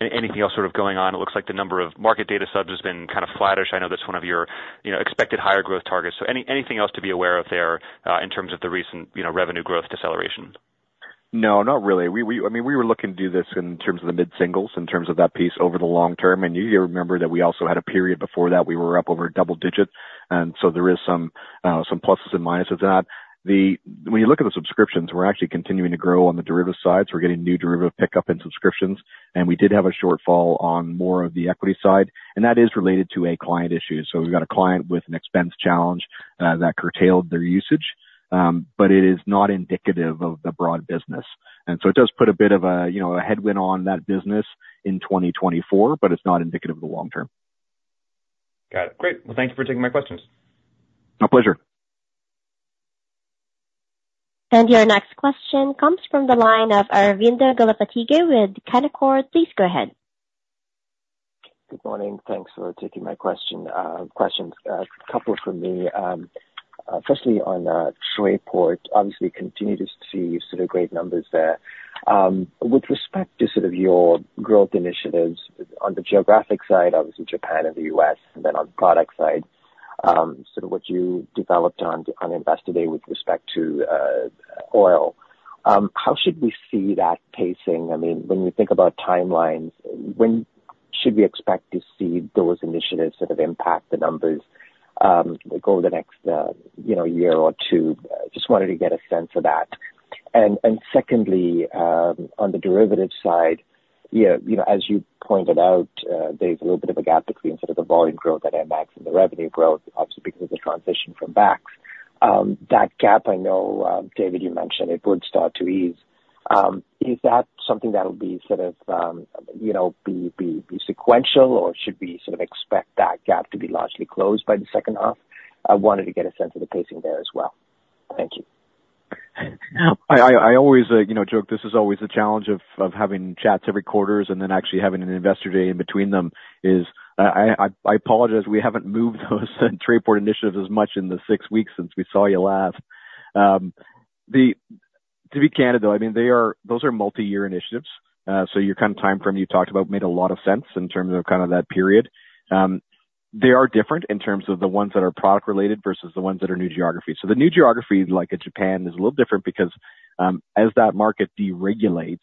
Anything else sort of going on? It looks like the number of market data subs has been kind of flattish. I know that's one of your expected higher growth targets. So anything else to be aware of there in terms of the recent revenue growth deceleration? No, not really. I mean, we were looking to do this in terms of the mid singles, in terms of that piece over the long term. And you remember that we also had a period before that we were up over a double digit. And so there are some pluses and minuses to that. When you look at the subscriptions, we're actually continuing to grow on the derivatives side. So we're getting new derivative pickup in subscriptions. And we did have a shortfall on more of the equity side. And that is related to a client issue. So we've got a client with an expense challenge that curtailed their usage, but it is not indicative of the broad business. And so it does put a bit of a headwind on that business in 2024, but it's not indicative of the long term. Got it. Great. Well, thank you for taking my questions. My pleasure. Your next question comes from the line of Aravinda Galappatthige with Canaccord. Please go ahead. Good morning. Thanks for taking my question. Questions, a couple from me, especially on Trayport. Obviously, continue to see sort of great numbers there. With respect to sort of your growth initiatives on the geographic side, obviously Japan and the U.S., and then on the product side, sort of what you developed on Investor Day with respect to oil, how should we see that pacing? I mean, when you think about timelines, when should we expect to see those initiatives sort of impact the numbers over the next year or two? Just wanted to get a sense of that. And secondly, on the derivative side, as you pointed out, there's a little bit of a gap between sort of the volume growth at TMX and the revenue growth, obviously because of the transition from BAX. That gap, I know, David, you mentioned it would start to ease. Is that something that will be sort of be sequential, or should we sort of expect that gap to be largely closed by the second half? I wanted to get a sense of the pacing there as well. Thank you. I always joke this is always the challenge of having chats every quarter and then actually having an Investor Day in between them. I apologize. We haven't moved those Trayport initiatives as much in the six weeks since we saw you last. To be candid, though, I mean, those are multi-year initiatives. So your kind of time frame you talked about made a lot of sense in terms of kind of that period. They are different in terms of the ones that are product-related versus the ones that are new geographies. So the new geographies like Japan is a little different because as that market deregulates,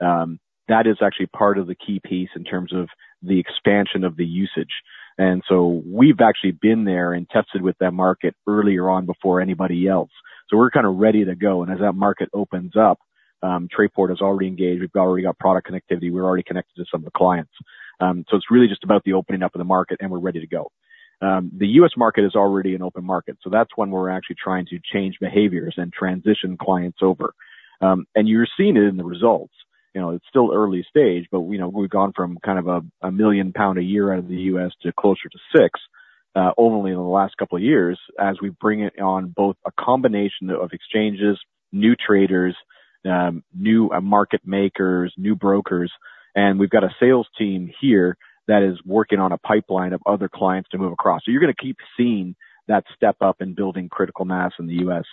that is actually part of the key piece in terms of the expansion of the usage. And so we've actually been there and tested with that market earlier on before anybody else. So we're kind of ready to go. As that market opens up, Trayport is already engaged. We've already got product connectivity. We're already connected to some of the clients. So it's really just about the opening up of the market, and we're ready to go. The U.S. market is already an open market. So that's when we're actually trying to change behaviors and transition clients over. And you're seeing it in the results. It's still early stage, but we've gone from kind of 1 million pound a year out of the U.S. to closer to 6 million only in the last couple of years as we bring it on both a combination of exchanges, new traders, new market makers, new brokers. And we've got a sales team here that is working on a pipeline of other clients to move across. So you're going to keep seeing that step up in building critical mass in the U.S.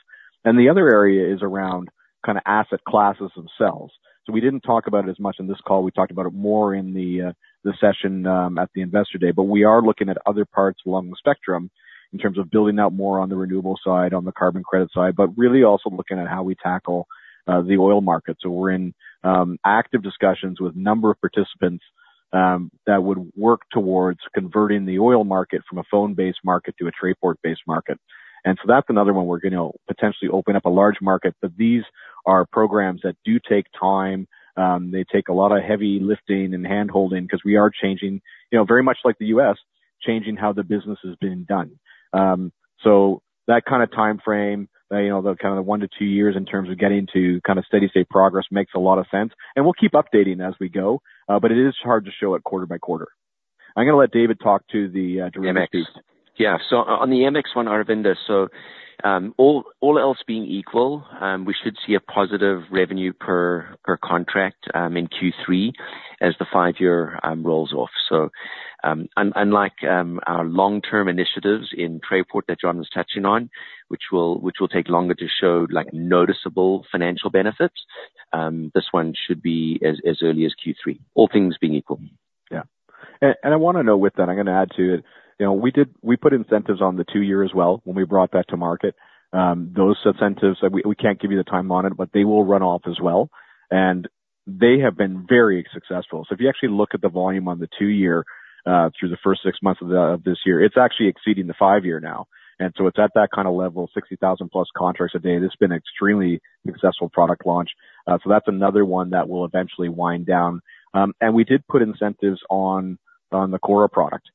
And the other area is around kind of asset classes themselves. So we didn't talk about it as much in this call. We talked about it more in the session at the Investor Day. But we are looking at other parts along the spectrum in terms of building out more on the renewable side, on the carbon credit side, but really also looking at how we tackle the oil market. So we're in active discussions with a number of participants that would work towards converting the oil market from a phone-based market to a Trayport-based market. And so that's another one we're going to potentially open up a large market. But these are programs that do take time. They take a lot of heavy lifting and hand-holding because we are changing, very much like the U.S., changing how the business is being done. So that kind of time frame, the kind of 1-2 years in terms of getting to kind of steady-state progress makes a lot of sense. And we'll keep updating as we go, but it is hard to show it quarter by quarter. I'm going to let David talk to the derivatives. Yeah. So on the TMX one, Aravinda, so all else being equal, we should see a positive revenue per contract in Q3 as the five-year rolls off. So unlike our long-term initiatives in Trayport that John was touching on, which will take longer to show noticeable financial benefits, this one should be as early as Q3, all things being equal. Yeah. And I want to know with that, I'm going to add to it. We put incentives on the two-year as well when we brought that to market. Those incentives, we can't give you the time on it, but they will run off as well. And they have been very successful. So if you actually look at the volume on the two-year through the first six months of this year, it's actually exceeding the five-year now. And so it's at that kind of level, 60,000+ contracts a day. It's been an extremely successful product launch. So that's another one that will eventually wind down. And we did put incentives on the CORRA product.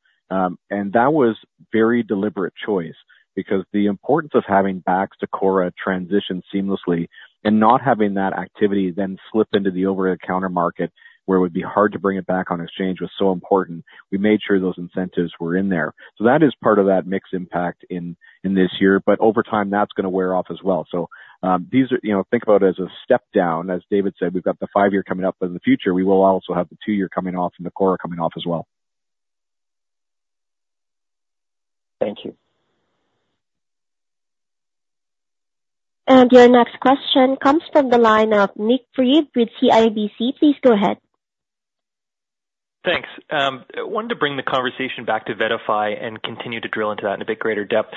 That was a very deliberate choice because the importance of having BAX to CORRA transition seamlessly and not having that activity then slip into the over-the-counter market where it would be hard to bring it back on exchange was so important. We made sure those incentives were in there. So that is part of that mixed impact in this year. But over time, that's going to wear off as well. So think about it as a step down. As David said, we've got the five-year coming up in the future. We will also have the two-year coming off and the CORRA coming off as well. Thank you. Your next question comes from the line of Nik Priebe with CIBC. Please go ahead. Thanks. I wanted to bring the conversation back to VettaFi and continue to drill into that in a bit greater depth.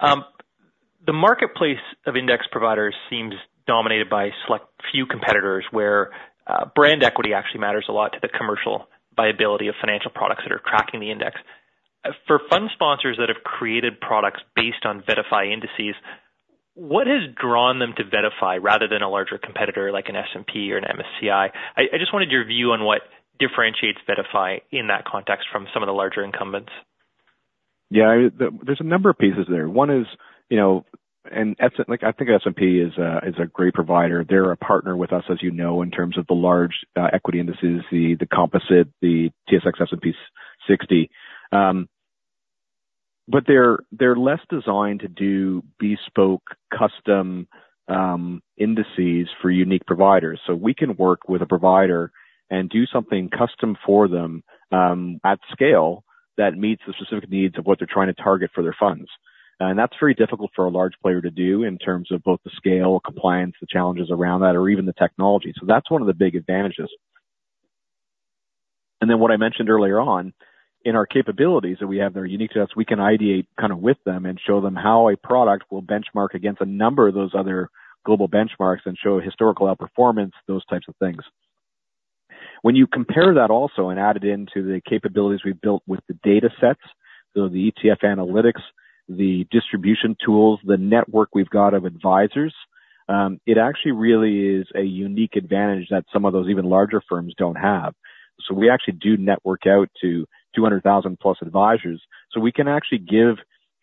The marketplace of index providers seems dominated by a few competitors where brand equity actually matters a lot to the commercial viability of financial products that are tracking the index. For fund sponsors that have created products based on VettaFi indices, what has drawn them to VettaFi rather than a larger competitor like an S&P or an MSCI? I just wanted your view on what differentiates VettaFi in that context from some of the larger incumbents. Yeah. There's a number of pieces there. One is, and I think S&P is a great provider. They're a partner with us, as you know, in terms of the large equity indices, the Composite, the S&P/TSX 60. But they're less designed to do bespoke custom indices for unique providers. So we can work with a provider and do something custom for them at scale that meets the specific needs of what they're trying to target for their funds. And that's very difficult for a large player to do in terms of both the scale, compliance, the challenges around that, or even the technology. So that's one of the big advantages. And then what I mentioned earlier on, in our capabilities that we have that are unique to us, we can ideate kind of with them and show them how a product will benchmark against a number of those other global benchmarks and show historical outperformance, those types of things. When you compare that also and add it into the capabilities we've built with the data sets, so the ETF analytics, the distribution tools, the network we've got of advisors, it actually really is a unique advantage that some of those even larger firms don't have. So we actually do network out to 200,000+ advisors. So we can actually give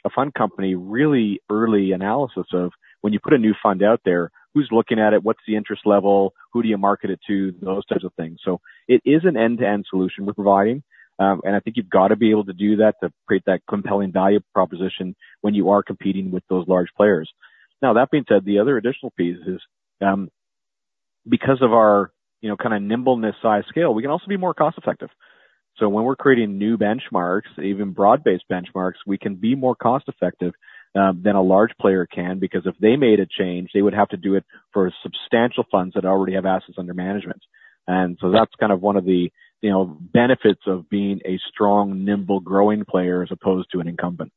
a fund company really early analysis of when you put a new fund out there, who's looking at it, what's the interest level, who do you market it to, those types of things. So it is an end-to-end solution we're providing. I think you've got to be able to do that to create that compelling value proposition when you are competing with those large players. Now, that being said, the other additional piece is because of our kind of nimbleness size scale, we can also be more cost-effective. So when we're creating new benchmarks, even broad-based benchmarks, we can be more cost-effective than a large player can because if they made a change, they would have to do it for substantial funds that already have assets under management. And so that's kind of one of the benefits of being a strong, nimble growing player as opposed to an incumbent.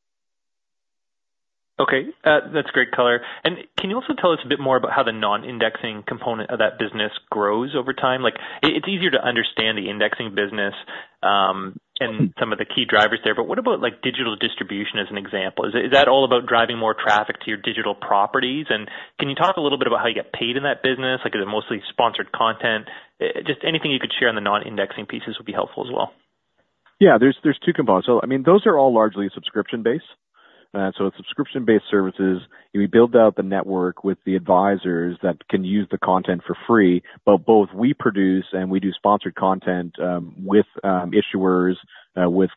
Okay. That's great color. Can you also tell us a bit more about how the non-indexing component of that business grows over time? It's easier to understand the indexing business and some of the key drivers there. But what about digital distribution as an example? Is that all about driving more traffic to your digital properties? Can you talk a little bit about how you get paid in that business? Is it mostly sponsored content? Just anything you could share on the non-indexing pieces would be helpful as well. Yeah. There's two components. So I mean, those are all largely subscription-based. So with subscription-based services, we build out the network with the advisors that can use the content for free, but both we produce and we do sponsored content with issuers, with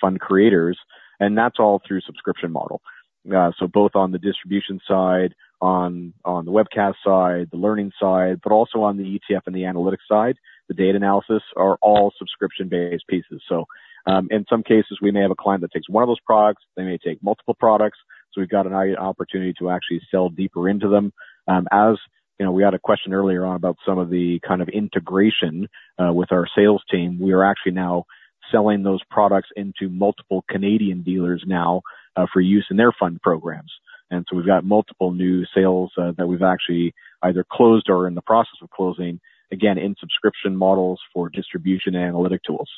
fund creators. And that's all through a subscription model. So both on the distribution side, on the webcast side, the learning side, but also on the ETF and the analytics side, the data analysis are all subscription-based pieces. So in some cases, we may have a client that takes one of those products. They may take multiple products. So we've got an opportunity to actually sell deeper into them. As we had a question earlier on about some of the kind of integration with our sales team, we are actually now selling those products into multiple Canadian dealers now for use in their fund programs. And so we've got multiple new sales that we've actually either closed or are in the process of closing, again, in subscription models for distribution analytic tools.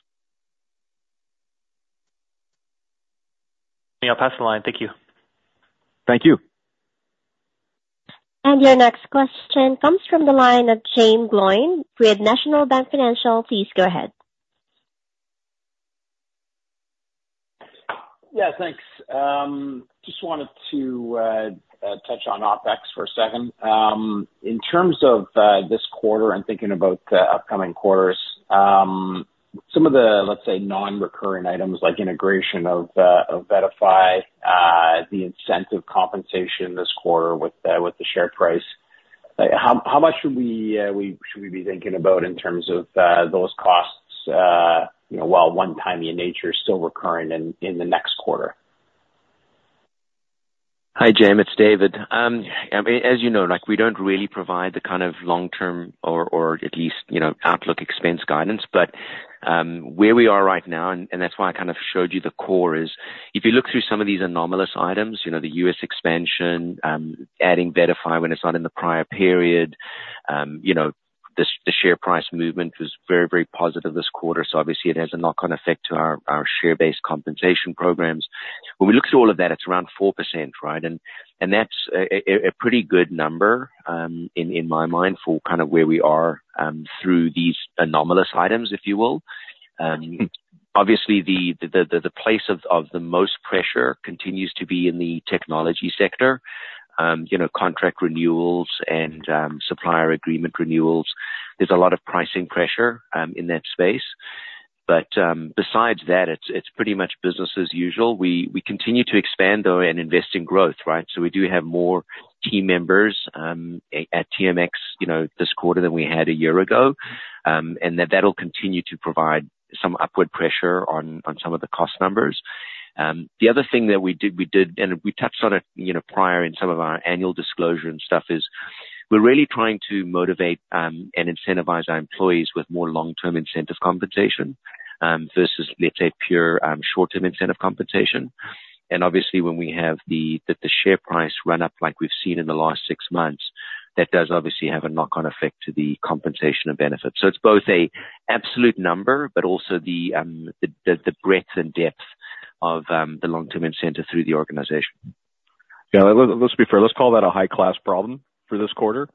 I'll pass the line. Thank you. Thank you. Your next question comes from the line of Jaeme Gloyn with National Bank Financial. Please go ahead. Yeah. Thanks. Just wanted to touch on OpEx for a second. In terms of this quarter and thinking about upcoming quarters, some of the, let's say, non-recurring items like integration of VettaFi, the incentive compensation this quarter with the share price, how much should we be thinking about in terms of those costs while one-time in nature still recurring in the next quarter? Hi, Jaeme. It's David. As you know, we don't really provide the kind of long-term or at least outlook expense guidance. But where we are right now, and that's why I kind of showed you the core, is if you look through some of these anomalous items, the U.S. expansion, adding VettaFi when it's not in the prior period, the share price movement was very, very positive this quarter. So obviously, it has a knock-on effect to our share-based compensation programs. When we look at all of that, it's around 4%, right? And that's a pretty good number in my mind for kind of where we are through these anomalous items, if you will. Obviously, the place of the most pressure continues to be in the technology sector, contract renewals and supplier agreement renewals. There's a lot of pricing pressure in that space. But besides that, it's pretty much business as usual. We continue to expand, though, and invest in growth, right? So we do have more team members at TMX this quarter than we had a year ago. And that'll continue to provide some upward pressure on some of the cost numbers. The other thing that we did, and we touched on it prior in some of our annual disclosure and stuff, is we're really trying to motivate and incentivize our employees with more long-term incentive compensation versus, let's say, pure short-term incentive compensation. And obviously, when we have the share price run up like we've seen in the last six months, that does obviously have a knock-on effect to the compensation and benefits. So it's both an absolute number, but also the breadth and depth of the long-term incentive through the organization. Yeah. Let's be fair. Let's call that a high-class problem for this quarter.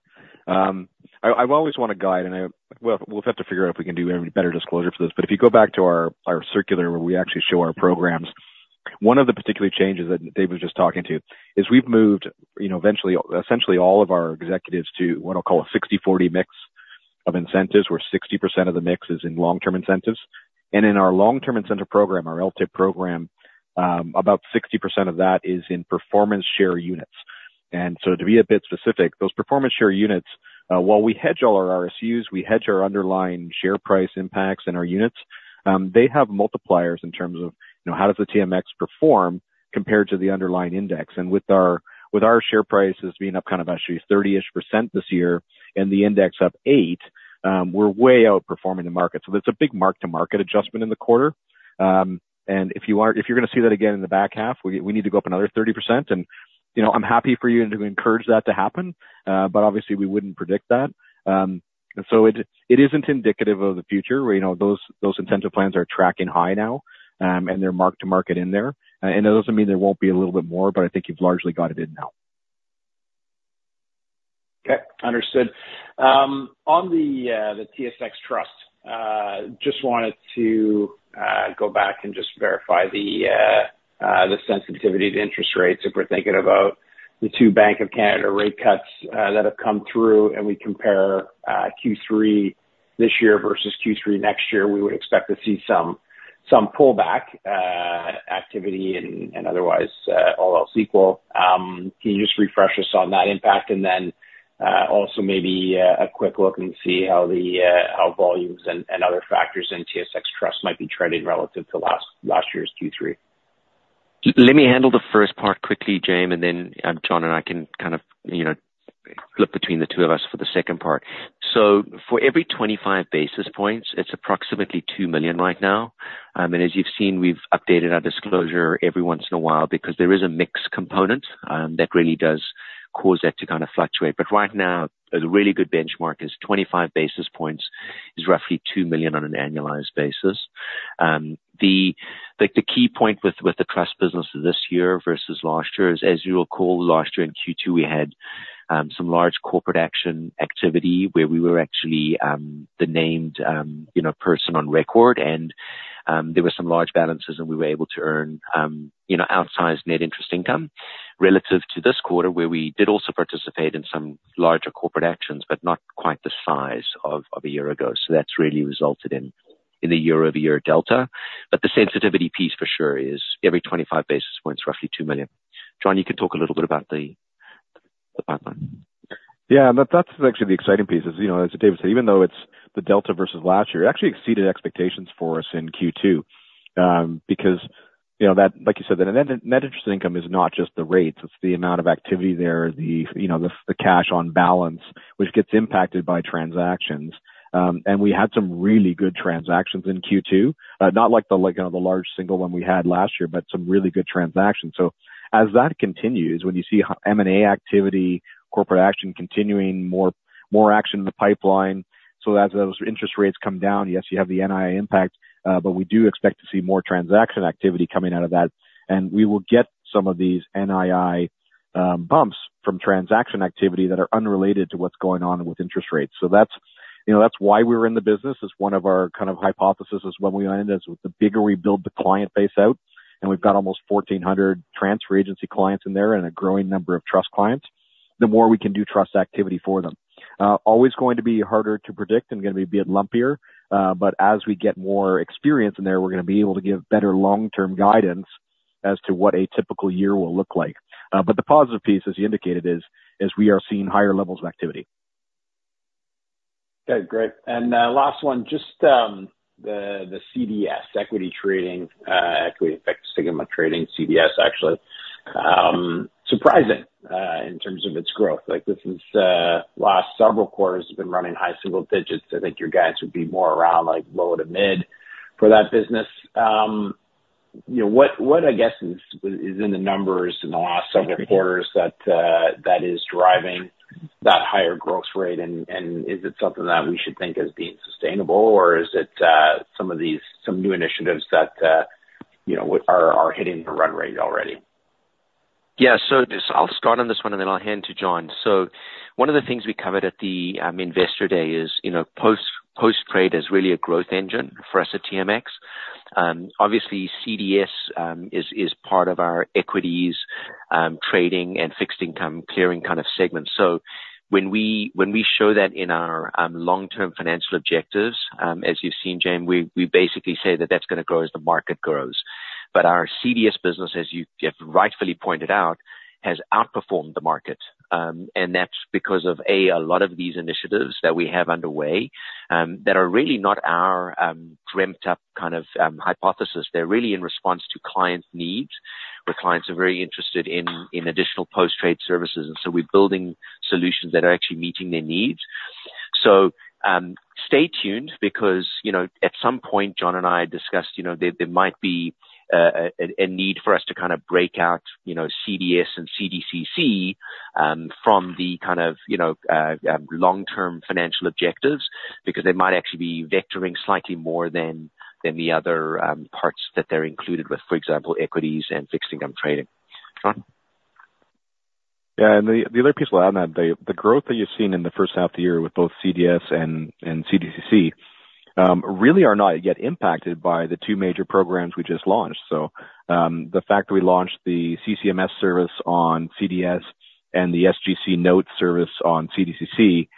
I've always wanted a guide, and we'll have to figure out if we can do a better disclosure for this. But if you go back to our circular where we actually show our programs, one of the particular changes that David was just talking to is we've moved essentially all of our executives to what I'll call a 60/40 mix of incentives, where 60% of the mix is in long-term incentives. And in our long-term incentive program, our LTIP program, about 60% of that is in performance share units. And so to be a bit specific, those performance share units, while we hedge all our RSUs, we hedge our underlying share price impacts and our units, they have multipliers in terms of how does the TMX perform compared to the underlying index. With our share prices being up kind of actually 30-ish% this year and the index up 8, we're way outperforming the market. So that's a big mark-to-market adjustment in the quarter. If you're going to see that again in the back half, we need to go up another 30%. I'm happy for you to encourage that to happen, but obviously, we wouldn't predict that. It isn't indicative of the future where those incentive plans are tracking high now, and they're mark-to-market in there. It doesn't mean there won't be a little bit more, but I think you've largely got it in now. Okay. Understood. On the TSX Trust, just wanted to go back and just verify the sensitivity to interest rates. If we're thinking about the 2 Bank of Canada rate cuts that have come through and we compare Q3 this year versus Q3 next year, we would expect to see some pullback activity and otherwise all else equal. Can you just refresh us on that impact? And then also maybe a quick look and see how volumes and other factors in TSX Trust might be trading relative to last year's Q3. Let me handle the first part quickly, Jaeme, and then John and I can kind of flip between the two of us for the second part. For every 25 basis points, it's approximately $ 2 million right now. As you've seen, we've updated our disclosure every once in a while because there is a mixed component that really does cause that to kind of fluctuate. Right now, a really good benchmark is 25 basis points is roughly $ 2 million on an annualized basis. The key point with the Trust business this year versus last year is, as you recall, last year in Q2, we had some large corporate action activity where we were actually the named person on record. There were some large balances, and we were able to earn outsized net interest income relative to this quarter where we did also participate in some larger corporate actions, but not quite the size of a year ago. So that's really resulted in the year-over-year delta. But the sensitivity piece for sure is every 25 basis points, roughly $ 2 million. John, you can talk a little bit about the pipeline. Yeah. That's actually the exciting piece. As David said, even though it's the delta versus last year, it actually exceeded expectations for us in Q2 because, like you said, that net interest income is not just the rates. It's the amount of activity there, the cash on balance, which gets impacted by transactions. And we had some really good transactions in Q2, not like the large single one we had last year, but some really good transactions. So as that continues, when you see M&A activity, corporate action continuing, more action in the pipeline. So as those interest rates come down, yes, you have the NII impact, but we do expect to see more transaction activity coming out of that. And we will get some of these NII bumps from transaction activity that are unrelated to what's going on with interest rates. So that's why we're in the business. It's one of our kind of hypotheses is when we end up with the bigger we build the client base out, and we've got almost 1,400 transfer agency clients in there and a growing number of Trust clients, the more we can do Trust activity for them. Always going to be harder to predict and going to be a bit lumpier. But as we get more experience in there, we're going to be able to give better long-term guidance as to what a typical year will look like. But the positive piece, as you indicated, is we are seeing higher levels of activity. Okay. Great. And last one, just the CDS, Equities and Fixed Income trading, CDS, actually. Surprising in terms of its growth. This last several quarters has been running high single digits. I think you guys would be more around low to mid for that business. What, I guess, is in the numbers in the last several quarters that is driving that higher growth rate? And is it something that we should think as being sustainable, or is it some of these new initiatives that are hitting the run rate already? Yeah. So I'll start on this one, and then I'll hand to John. So one of the things we covered at the Investor Day is post-trade is really a growth engine for us at TMX. Obviously, CDS is part of our equities trading and fixed income clearing kind of segment. So when we show that in our long-term financial objectives, as you've seen, James, we basically say that that's going to grow as the market grows. But our CDS business, as you have rightfully pointed out, has outperformed the market. And that's because of, A, a lot of these initiatives that we have underway that are really not our dreamt-up kind of hypothesis. They're really in response to client needs, where clients are very interested in additional post-trade services. And so we're building solutions that are actually meeting their needs. So stay tuned because at some point, John and I discussed there might be a need for us to kind of break out CDS and CDCC from the kind of long-term financial objectives because they might actually be vectoring slightly more than the other parts that they're included with, for example, equities and fixed income trading. Yeah. And the other piece of that, the growth that you've seen in the first half of the year with both CDS and CDCC really are not yet impacted by the two major programs we just launched. So the fact that we launched the CCMS service on CDS and the SGC Notes service on CDCC,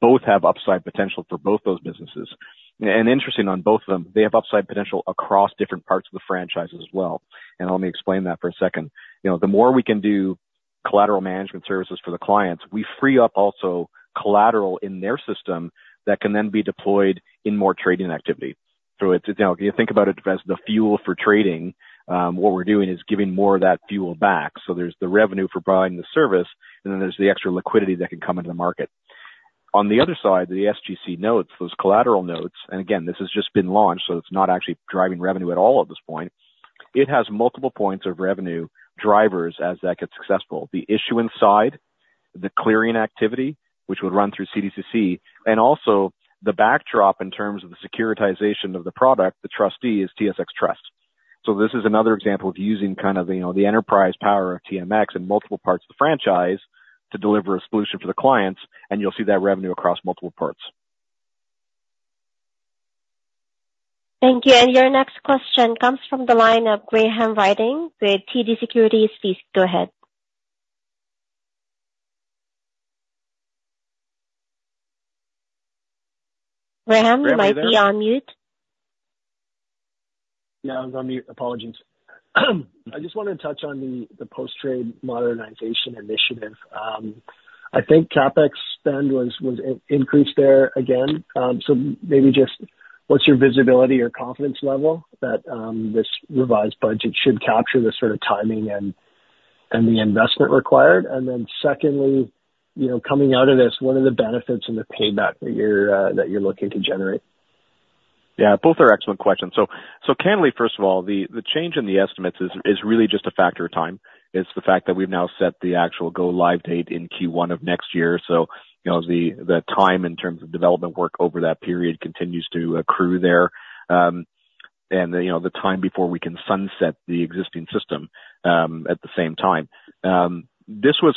both have upside potential for both those businesses. And interesting, on both of them, they have upside potential across different parts of the franchise as well. And let me explain that for a second. The more we can do collateral management services for the clients, we free up also collateral in their system that can then be deployed in more trading activity. So if you think about it as the fuel for trading, what we're doing is giving more of that fuel back. So there's the revenue for buying the service, and then there's the extra liquidity that can come into the market. On the other side, the SGC Notes, those collateral notes, and again, this has just been launched, so it's not actually driving revenue at all at this point. It has multiple points of revenue drivers as that gets successful. The issuance side, the clearing activity, which would run through CDCC, and also the backdrop in terms of the securitization of the product, the trustee is TSX Trust. So this is another example of using kind of the enterprise power of TMX in multiple parts of the franchise to deliver a solution for the clients, and you'll see that revenue across multiple parts. Thank you. Your next question comes from the line of Graham Ryding with TD Securities. Please go ahead. Graham, you might be on mute. Yeah. I was on mute. Apologies. I just wanted to touch on the post-trade modernization initiative. I think CapEx spend was increased there again. So maybe just what's your visibility or confidence level that this revised budget should capture the sort of timing and the investment required? And then secondly, coming out of this, what are the benefits and the payback that you're looking to generate? Yeah. Both are excellent questions. So candidly, first of all, the change in the estimates is really just a factor of time. It's the fact that we've now set the actual go-live date in Q1 of next year. So the time in terms of development work over that period continues to accrue there. And the time before we can sunset the existing system at the same time. This was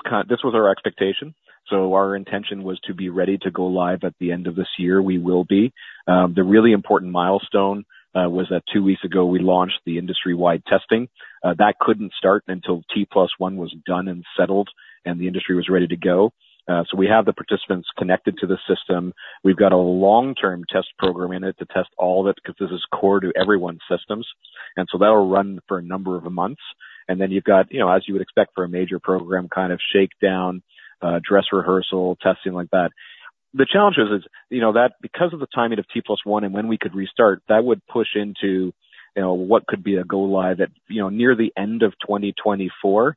our expectation. So our intention was to be ready to go live at the end of this year. We will be. The really important milestone was that two weeks ago, we launched the industry-wide testing. That couldn't start until T+1 was done and settled, and the industry was ready to go. So we have the participants connected to the system. We've got a long-term test program in it to test all of it because this is core to everyone's systems. So that'll run for a number of months. Then you've got, as you would expect for a major program, kind of shakedown, dress rehearsal, testing like that. The challenge is that because of the timing of T+1 and when we could restart, that would push into what could be a go-live at near the end of 2024.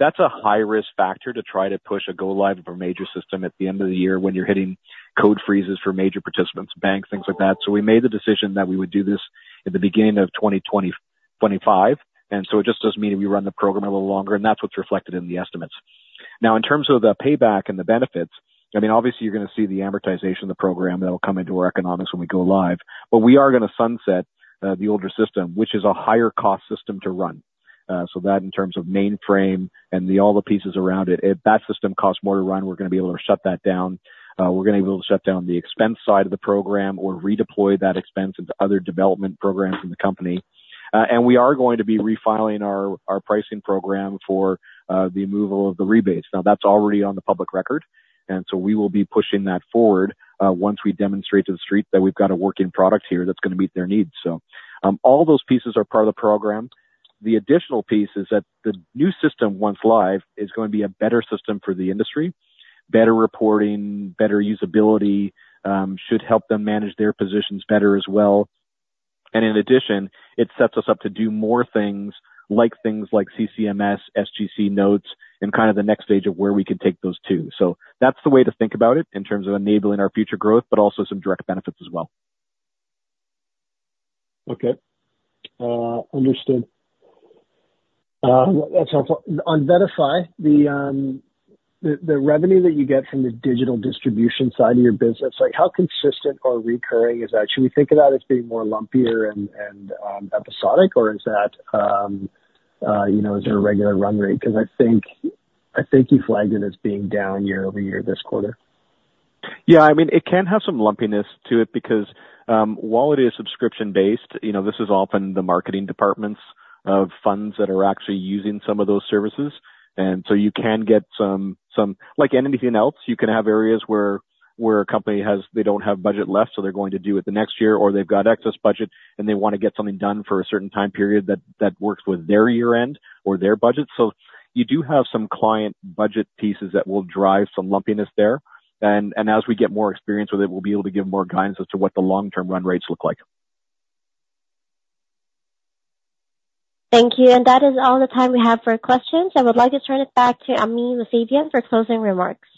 That's a high-risk factor to try to push a go-live of a major system at the end of the year when you're hitting code freezes for major participants, banks, things like that. So we made the decision that we would do this at the beginning of 2025. So it just does mean we run the program a little longer, and that's what's reflected in the estimates. Now, in terms of the payback and the benefits, I mean, obviously, you're going to see the amortization of the program that will come into our economics when we go live. But we are going to sunset the older system, which is a higher-cost system to run. So that in terms of mainframe and all the pieces around it, that system costs more to run. We're going to be able to shut that down. We're going to be able to shut down the expense side of the program or redeploy that expense into other development programs in the company. And we are going to be refiling our pricing program for the removal of the rebates. Now, that's already on the public record. And so we will be pushing that forward once we demonstrate to the street that we've got a working product here that's going to meet their needs. So all those pieces are part of the program. The additional piece is that the new system, once live, is going to be a better system for the industry. Better reporting, better usability should help them manage their positions better as well. And in addition, it sets us up to do more things like things like CCMS, SGC Notes, and kind of the next stage of where we can take those two. So that's the way to think about it in terms of enabling our future growth, but also some direct benefits as well. Okay. Understood. On VettaFi, the revenue that you get from the digital distribution side of your business, how consistent or recurring is that? Should we think of that as being more lumpier and episodic, or is there a regular run rate? Because I think you flagged it as being down year-over-year this quarter. Yeah. I mean, it can have some lumpiness to it because while it is subscription-based, this is often the marketing departments of funds that are actually using some of those services. And so you can get some, like anything else, you can have areas where a company has they don't have budget left, so they're going to do it the next year, or they've got excess budget, and they want to get something done for a certain time period that works with their year-end or their budget. So you do have some client budget pieces that will drive some lumpiness there. And as we get more experience with it, we'll be able to give more guidance as to what the long-term run rates look like. Thank you. That is all the time we have for questions. I would like to turn it back to Amin Mousavian for closing remarks.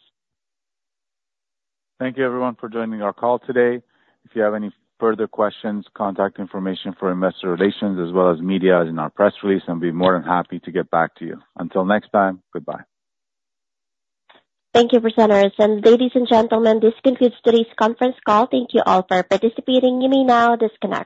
Thank you, everyone, for joining our call today. If you have any further questions, contact information for Investor Relations as well as media in our press release, and we'll be more than happy to get back to you. Until next time, goodbye. Thank you, presenters. Ladies and gentlemen, this concludes today's conference call. Thank you all for participating. You may now disconnect.